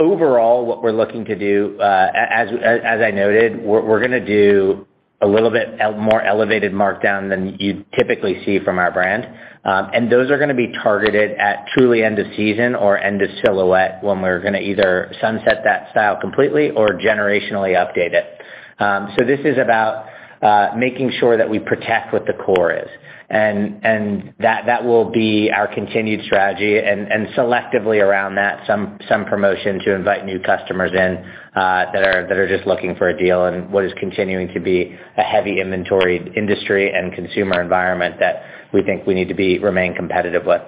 Overall, what we're looking to do, as I noted, we're gonna do a little bit more elevated markdown than you'd typically see from our brand. Those are gonna be targeted at truly end of season or end of silhouette when we're gonna either sunset that style completely or generationally update it. This is about making sure that we protect what the core is. That will be our continued strategy and selectively around that, some promotion to invite new customers in, that are just looking for a deal and what is continuing to be a heavy inventoried industry and consumer environment that we think we need to remain competitive with.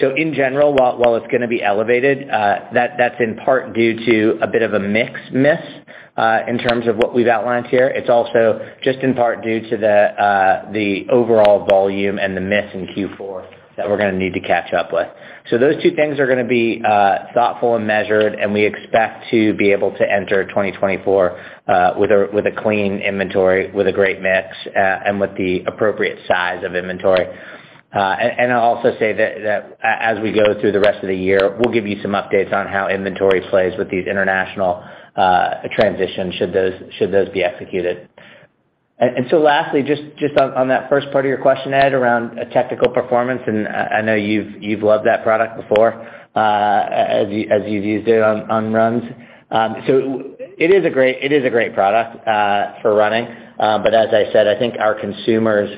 In general, while it's gonna be elevated, that's in part due to a bit of a mix miss, in terms of what we've outlined here. It's also just in part due to the overall volume and the miss in Q4 that we're gonna need to catch up with. Those two things are gonna be thoughtful and measured, and we expect to be able to enter 2024, with a clean inventory, with a great mix, and with the appropriate size of inventory. I'll also say that as we go through the rest of the year, we'll give you some updates on how inventory plays with these international transitions, should those be executed. Lastly, just on that first part of your question, Ed, around technical performance, and I know you've loved that product before, as you've used it on runs. It is a great product for running. As I said, I think our consumers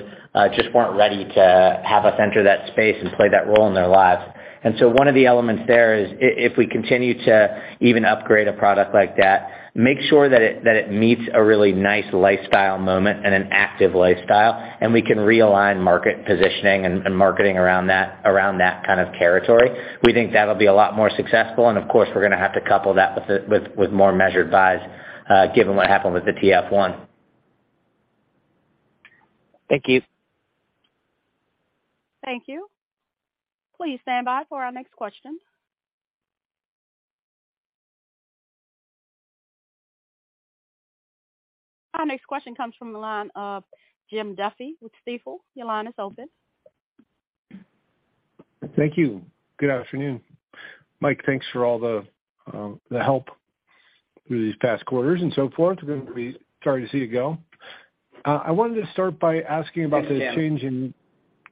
just weren't ready to have us enter that space and play that role in their lives. One of the elements there is if we continue to even upgrade a product like that, make sure that it meets a really nice lifestyle moment and an active lifestyle, and we can realign market positioning and marketing around that kind of territory. We think that'll be a lot more successful, and of course, we're gonna have to couple that with more measured buys, given what happened with the TF1. Thank you. Thank you. Please stand by for our next question. Our next question comes from the line of Jim Duffy with Stifel. Your line is open. Thank you. Good afternoon. Mike, thanks for all the help through these past quarters and so forth. We're gonna be sorry to see you go. I wanted to start by asking. Thanks, Jim. the change in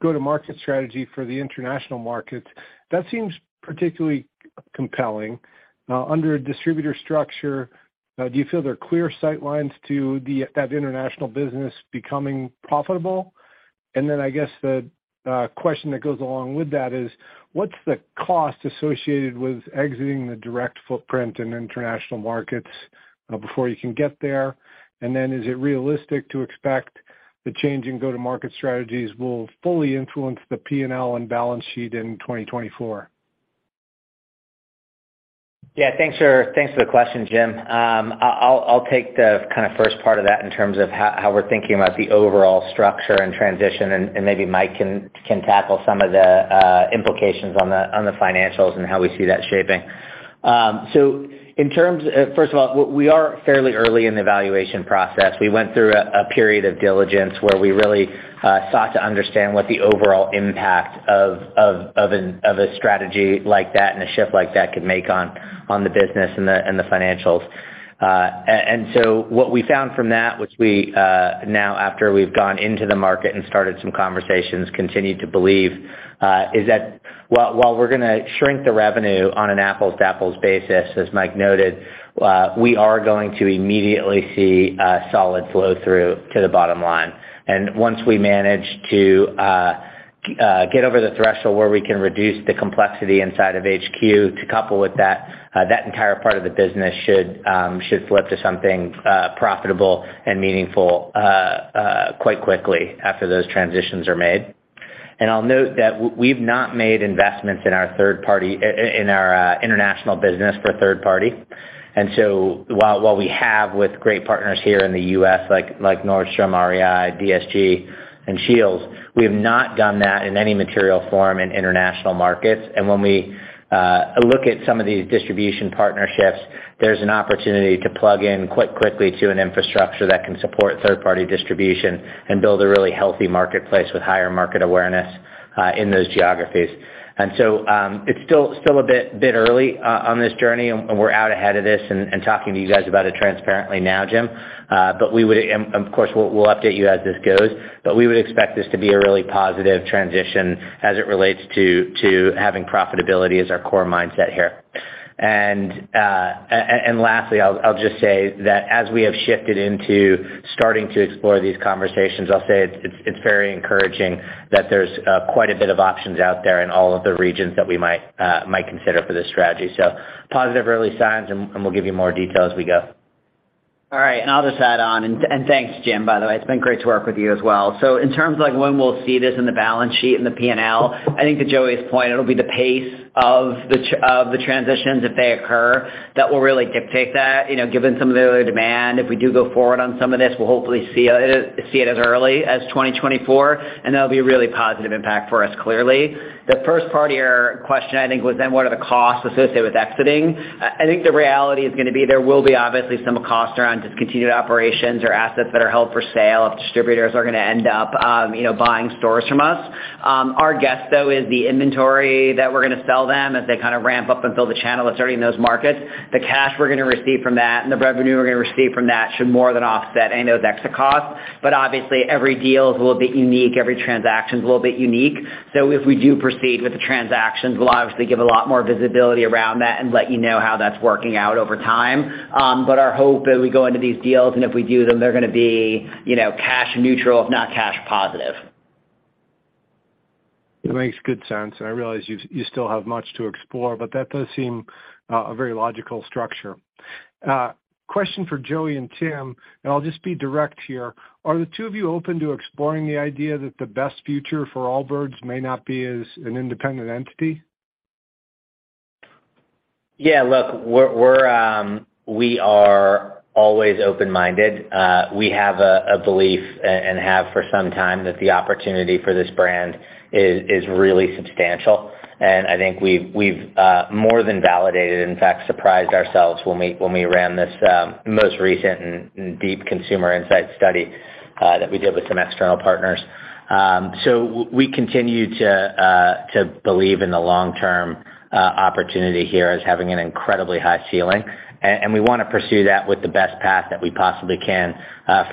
go-to-market strategy for the international markets. That seems particularly compelling. Under a distributor structure, do you feel there are clear sight lines to that international business becoming profitable? I guess the question that goes along with that is, what's the cost associated with exiting the direct footprint in international markets before you can get there? Is it realistic to expect the change in go-to-market strategies will fully influence the P&L and balance sheet in 2024? Yeah. Thanks for the question, Jim. I'll take the kinda first part of that in terms of how we're thinking about the overall structure and transition, and maybe Mike can tackle some of the implications on the financials and how we see that shaping. In terms First of all, we are fairly early in the evaluation process. We went through a period of diligence where we really sought to understand what the overall impact of a strategy like that and a shift like that could make on the business and the financials. What we found from that, which we now after we've gone into the market and started some conversations, continued to believe, is that while we're gonna shrink the revenue on an apples-to-apples basis, as Mike noted, we are going to immediately see a solid flow through to the bottom line. Once we manage to get over the threshold where we can reduce the complexity inside of HQ to couple with that entire part of the business should flip to something profitable and meaningful quite quickly after those transitions are made. I'll note that we've not made investments in our international business for third party. While we have with great partners here in the U.S., like Nordstrom, REI, DSG, and SCHEELS, we have not done that in any material form in international markets. When we look at some of these distribution partnerships, there's an opportunity to plug in quite quickly to an infrastructure that can support third-party distribution and build a really healthy marketplace with higher market awareness in those geographies. It's still a bit early on this journey, and we're out ahead of this and talking to you guys about it transparently now, Jim. Of course, we'll update you as this goes. We would expect this to be a really positive transition as it relates to having profitability as our core mindset here. Lastly, I'll just say that as we have shifted into starting to explore these conversations, I'll say it's very encouraging that there's quite a bit of options out there in all of the regions that we might consider for this strategy. Positive early signs, and we'll give you more detail as we go. All right. I'll just add on. Thanks, Jim, by the way. It's been great to work with you as well. In terms like when we'll see this in the balance sheet and the P&L, I think to Joey's point, it'll be the pace of the transitions, if they occur, that will really dictate that. You know, given some of the demand, if we do go forward on some of this, we'll hopefully see it as early as 2024, and that'll be a really positive impact for us, clearly. The first part of your question, I think, was what are the costs associated with exiting? I think the reality is gonna be there will be obviously some cost around discontinued operations or assets that are held for sale if distributors are gonna end up, you know, buying stores from us. Our guess, though, is the inventory that we're gonna sell them as they kinda ramp up and build a channel that's already in those markets, the cash we're gonna receive from that and the revenue we're gonna receive from that should more than offset any of those extra costs. Obviously, every deal is a little bit unique, every transaction's a little bit unique. If we do proceed with the transactions, we'll obviously give a lot more visibility around that and let you know how that's working out over time. Our hope as we go into these deals, and if we do them, they're gonna be, you know, cash neutral, if not cash positive. It makes good sense. I realize you still have much to explore, but that does seem a very logical structure. Question for Joey and Tim. I'll just be direct here. Are the two of you open to exploring the idea that the best future for Allbirds may not be as an independent entity? Yeah, look, we're, we are always open-minded. We have a belief and have for some time that the opportunity for this brand is really substantial. I think we've more than validated, in fact, surprised ourselves when we ran this most recent and deep consumer insight study that we did with some external partners. We continue to believe in the long-term opportunity here as having an incredibly high ceiling, and we wanna pursue that with the best path that we possibly can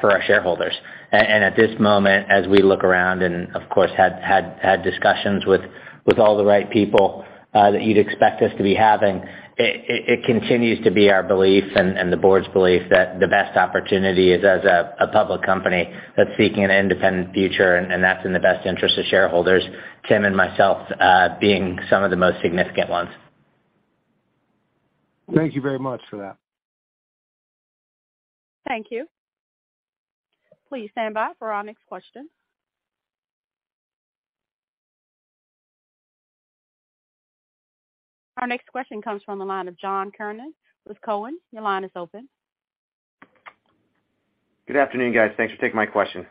for our shareholders. At this moment, as we look around and, of course, had discussions with all the right people that you'd expect us to be having, it continues to be our belief and the board's belief that the best opportunity is as a public company that's seeking an independent future, and that's in the best interest of shareholders, Tim and myself, being some of the most significant ones. Thank you very much for that. Thank you. Please stand by for our next question. Our next question comes from the line of John Kernan with Cowen. Your line is open. Good afternoon, guys. Thanks for taking my question.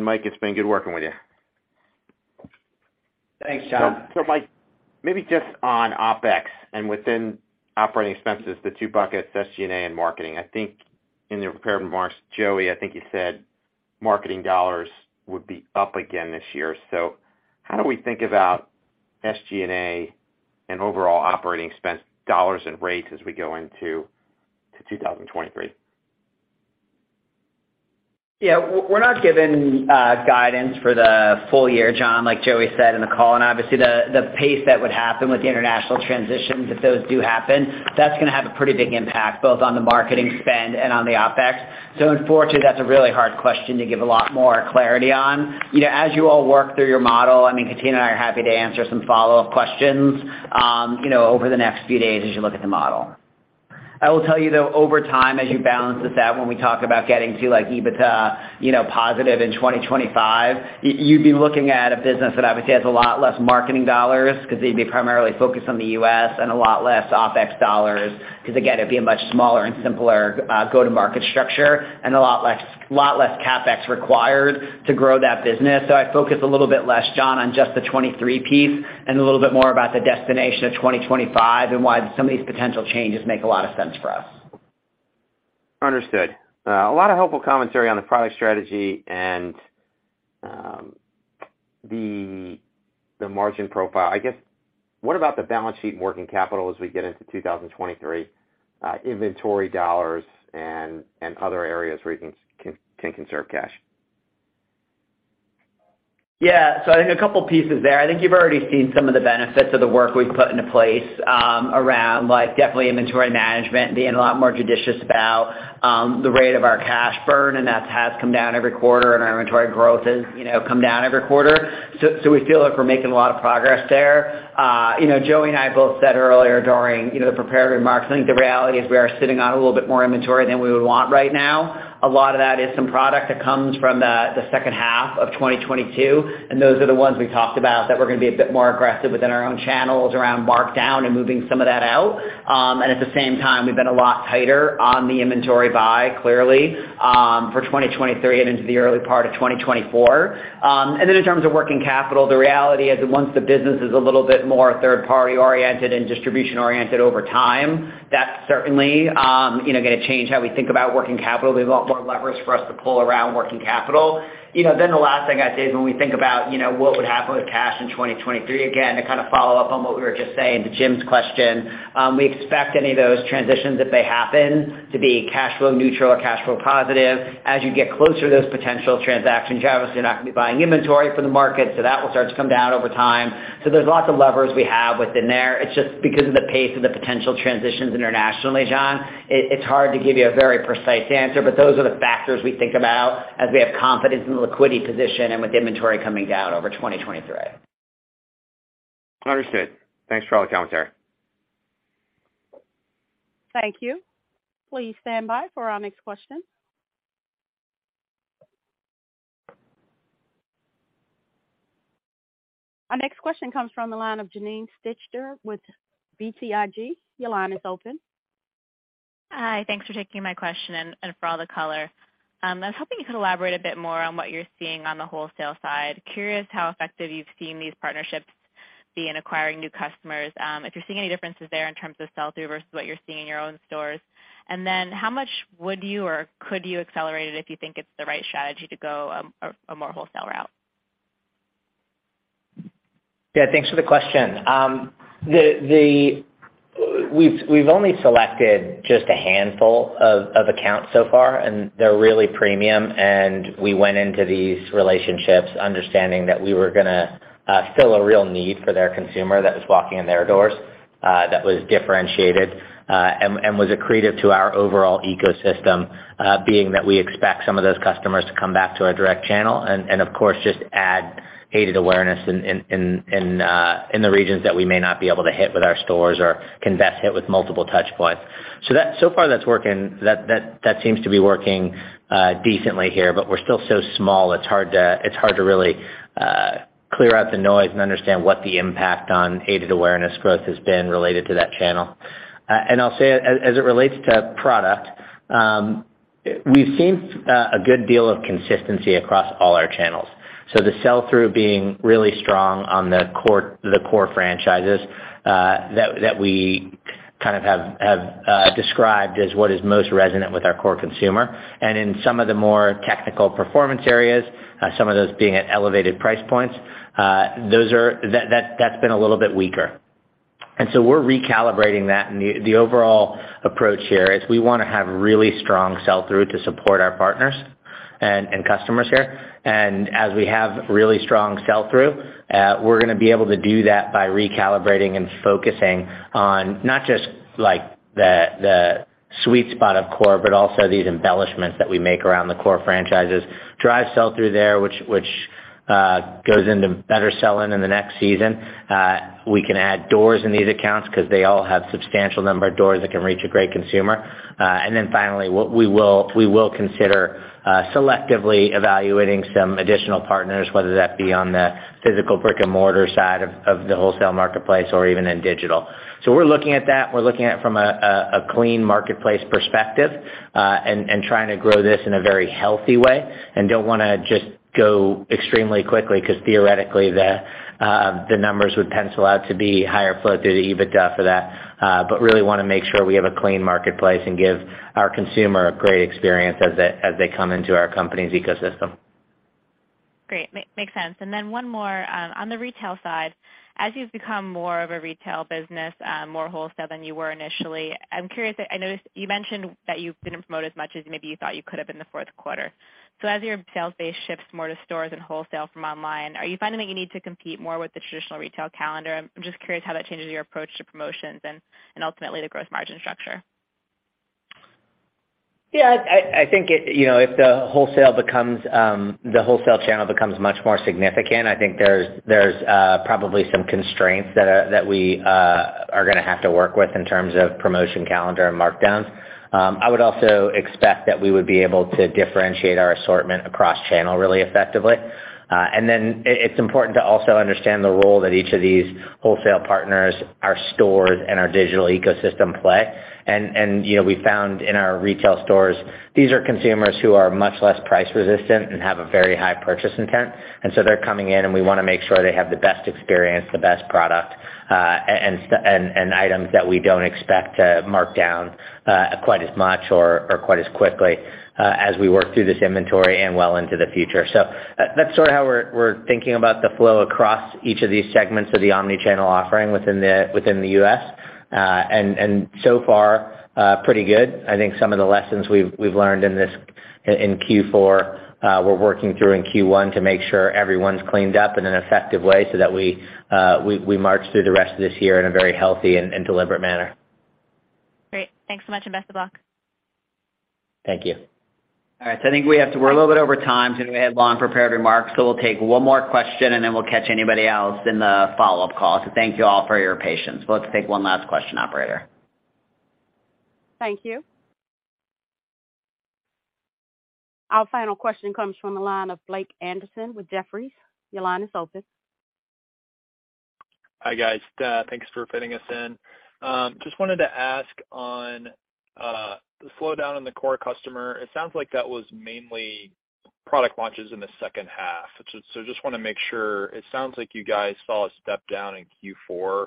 Mike, it's been good working with you. Thanks, John. Mike, maybe just on OpEx and within operating expenses, the two buckets, SG&A and marketing. I think in your prepared remarks, Joey, I think you said marketing dollars would be up again this year. How do we think about SG&A and overall operating expense dollars and rates as we go into 2023? Yeah. We're not giving guidance for the full year, John, like Joey said in the call. Obviously, the pace that would happen with the international transitions, if those do happen, that's gonna have a pretty big impact both on the marketing spend and on the OpEx. Unfortunately, that's a really hard question to give a lot more clarity on. You know, as you all work through your model, I mean, Katina and I are happy to answer some follow-up questions, you know, over the next few days as you look at the model. I will tell you, though, over time, as you balance the stat, when we talk about getting to like EBITDA, you know, positive in 2025, you'd be looking at a business that obviously has a lot less marketing dollars because you'd be primarily focused on the U.S. and a lot less OpEx dollars because, again, it'd be a much smaller and simpler, go-to-market structure and a lot less CapEx required to grow that business. I focus a little bit less, John, on just the 23 piece and a little bit more about the destination of 2025 and why some of these potential changes make a lot of sense for us. Understood. A lot of helpful commentary on the product strategy and the margin profile. I guess, what about the balance sheet and working capital as we get into 2023, inventory dollars and other areas where you can conserve cash? I think a couple pieces there. I think you've already seen some of the benefits of the work we've put into place, around, like, definitely inventory management, being a lot more judicious about the rate of our cash burn, and that has come down every quarter and our inventory growth has, you know, come down every quarter. We feel like we're making a lot of progress there. You know, Joey and I both said earlier during, you know, the prepared remarks, I think the reality is we are sitting on a little bit more inventory than we would want right now. A lot of that is some product that comes from the second half of 2022, and those are the ones we talked about that we're gonna be a bit more aggressive within our own channels around markdown and moving some of that out. At the same time, we've been a lot tighter on the inventory buy, clearly, for 2023 and into the early part of 2024. Then in terms of working capital, the reality is that once the business is a little bit more third party oriented and distribution oriented over time, that's certainly, you know, gonna change how we think about working capital. There's a lot more levers for us to pull around working capital. You know, the last thing I'd say is when we think about, you know, what would happen with cash in 2023, again, to kind of follow up on what we were just saying to Jim's question, we expect any of those transitions, if they happen, to be cash flow neutral or cash flow positive. As you get closer to those potential transactions, you obviously are not gonna be buying inventory for the market, so that will start to come down over time. There's lots of levers we have within there. It's just because of the pace of the potential transitions internationally, John, it's hard to give you a very precise answer. Those are the factors we think about as we have confidence in the liquidity position and with inventory coming down over 2023. Understood. Thanks for all the commentary. Thank you. Please stand by for our next question. Our next question comes from the line of Janine Stichter with BTIG. Your line is open. Hi. Thanks for taking my question and for all the color. I was hoping you could elaborate a bit more on what you're seeing on the wholesale side. Curious how effective you've seen these partnerships be in acquiring new customers, if you're seeing any differences there in terms of sell-through versus what you're seeing in your own stores. How much would you or could you accelerate it if you think it's the right strategy to go a more wholesale route? Yeah. Thanks for the question. We've only selected just a handful of accounts so far, and they're really premium. We went into these relationships understanding that we were gonna fill a real need for their consumer that was walking in their doors, that was differentiated, and was accretive to our overall ecosystem, being that we expect some of those customers to come back to our direct channel and of course, just add aided awareness in the regions that we may not be able to hit with our stores or can best hit with multiple touch points. So far, that's working. That seems to be working decently here. We're still so small, it's hard to really clear out the noise and understand what the impact on aided awareness growth has been related to that channel. I'll say as it relates to product, we've seen a good deal of consistency across all our channels. The sell-through being really strong on the core franchises that we kind of have described as what is most resonant with our core consumer. In some of the more technical performance areas, some of those being at elevated price points, that's been a little bit weaker. So we're recalibrating that, the overall approach here is we wanna have really strong sell-through to support our partners and customers here. As we have really strong sell-through, we're gonna be able to do that by recalibrating and focusing on not just, like, the sweet spot of core, but also these embellishments that we make around the core franchises. Drive sell-through there, which goes into better sell-in in the next season. We can add doors in these accounts because they all have substantial number of doors that can reach a great consumer. Finally, what we will consider, selectively evaluating some additional partners, whether that be on the physical brick-and-mortar side of the wholesale marketplace or even in digital. We're looking at that. We're looking at it from a clean marketplace perspective, and trying to grow this in a very healthy way, and don't wanna just go extremely quickly because theoretically the numbers would pencil out to be higher flow through the EBITDA for that. Really wanna make sure we have a clean marketplace and give our consumer a great experience as they come into our company's ecosystem. Great. Makes sense. Then one more. On the retail side, as you've become more of a retail business, more wholesale than you were initially, I'm curious. I noticed you mentioned that you didn't promote as much as maybe you thought you could have in the fourth quarter. As your sales base shifts more to stores and wholesale from online, are you finding that you need to compete more with the traditional retail calendar? I'm just curious how that changes your approach to promotions and ultimately the gross margin structure. I think you know, if the wholesale becomes, the wholesale channel becomes much more significant, I think there's probably some constraints that we are gonna have to work with in terms of promotion calendar and markdowns. I would also expect that we would be able to differentiate our assortment across channel really effectively. It's important to also understand the role that each of these wholesale partners, our stores, and our digital ecosystem play. You know, we found in our retail stores, these are consumers who are much less price resistant and have a very high purchase intent. They're coming in, and we wanna make sure they have the best experience, the best product, and items that we don't expect to mark down quite as much or quite as quickly, as we work through this inventory and well into the future. That's sort of how we're thinking about the flow across each of these segments of the omni-channel offering within the U.S. So far, pretty good. I think some of the lessons we've learned in this, in Q4, we're working through in Q1 to make sure everyone's cleaned up in an effective way so that we march through the rest of this year in a very healthy and deliberate manner. Great. Thanks so much, and best of luck. Thank you. All right. I think we're a little bit over time, since we had long prepared remarks, so we'll take one more question, and then we'll catch anybody else in the follow-up call. Thank you all for your patience. We'll take one last question, operator. Thank you. Our final question comes from the line of Blake Anderson with Jefferies. Your line is open. Hi, guys. Thanks for fitting us in. Just wanted to ask on the slowdown in the core customer, it sounds like that was mainly product launches in the second half. Just wanna make sure. It sounds like you guys saw a step down in Q4.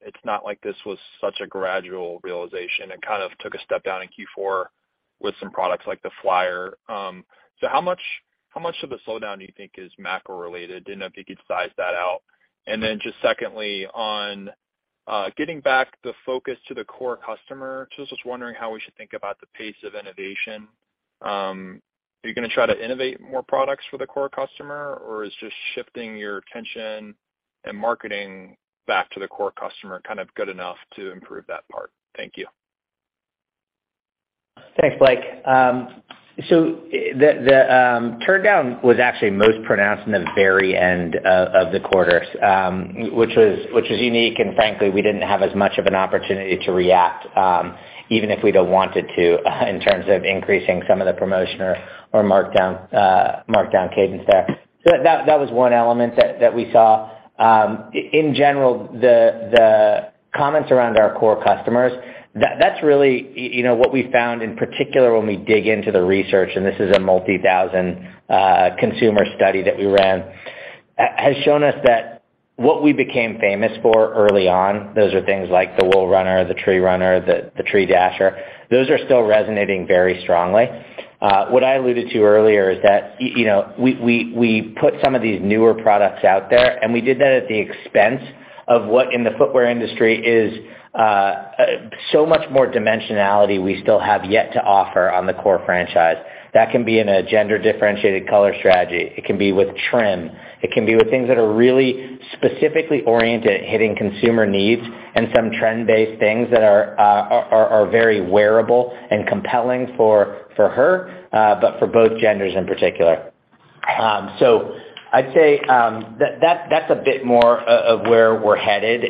It's not like this was such a gradual realization. It kind of took a step down in Q4 with some products like the Flyer. How much of the slowdown do you think is macro-related? Didn't know if you could size that out. Just secondly, on getting back the focus to the core customer, just was wondering how we should think about the pace of innovation. Are you going to try to innovate more products for the core customer, or is just shifting your attention and marketing back to the core customer kind of good enough to improve that part? Thank you. Thanks, Blake. The turndown was actually most pronounced in the very end of the quarter, which was unique, and frankly, we didn't have as much of an opportunity to react, even if we'd have wanted to, in terms of increasing some of the promotion or markdown cadence there. That was one element that we saw. In general, the comments around our core customers, you know, what we found in particular when we dig into the research, and this is a multi-1,000 consumer study that we ran, has shown us that what we became famous for early on, those are things like the Wool Runner, the Tree Runner, the Tree Dasher, those are still resonating very strongly. What I alluded to earlier is that, you know, we put some of these newer products out there, and we did that at the expense of what in the footwear industry is so much more dimensionality we still have yet to offer on the core franchise. That can be in a gender differentiated color strategy. It can be with trim. It can be with things that are really specifically oriented, hitting consumer needs and some trend-based things that are very wearable and compelling for her, but for both genders in particular. I'd say, that's a bit more of where we're headed.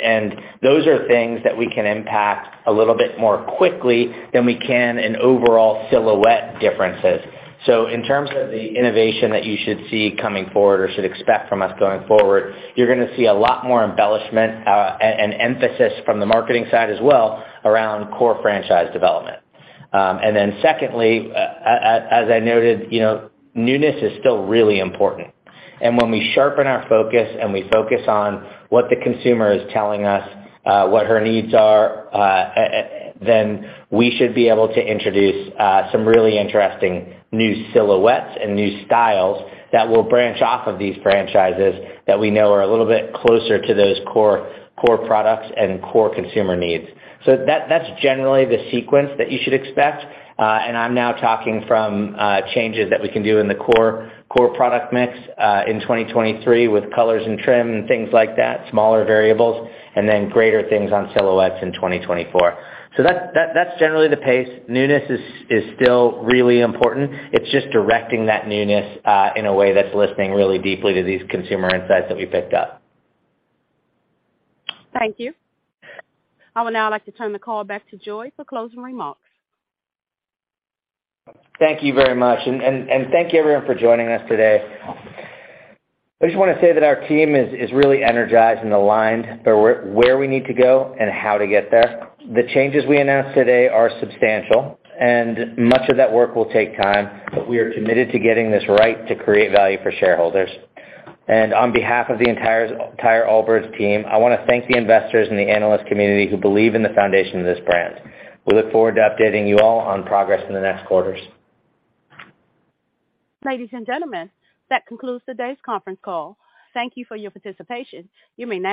Those are things that we can impact a little bit more quickly than we can in overall silhouette differences. In terms of the innovation that you should see coming forward or should expect from us going forward, you're gonna see a lot more embellishment, and emphasis from the marketing side as well around core franchise development. Then secondly, as I noted, you know, newness is still really important. When we sharpen our focus and we focus on what the consumer is telling us, what her needs are, then we should be able to introduce some really interesting new silhouettes and new styles that will branch off of these franchises that we know are a little bit closer to those core products and core consumer needs. That, that's generally the sequence that you should expect. I'm now talking from changes that we can do in the core product mix, in 2023 with colors and trim and things like that, smaller variables, and then greater things on silhouettes in 2024. That's generally the pace. Newness is still really important. It's just directing that newness, in a way that's listening really deeply to these consumer insights that we picked up. Thank you. I would now like to turn the call back to Joey for closing remarks. Thank you very much, and thank you everyone for joining us today. I just wanna say that our team is really energized and aligned for where we need to go and how to get there. The changes we announced today are substantial, and much of that work will take time, but we are committed to getting this right to create value for shareholders. On behalf of the entire Allbirds team, I wanna thank the investors and the analyst community who believe in the foundation of this brand. We look forward to updating you all on progress in the next quarters. Ladies and gentlemen, that concludes today's conference call. Thank you for your participation. You may now disconnect.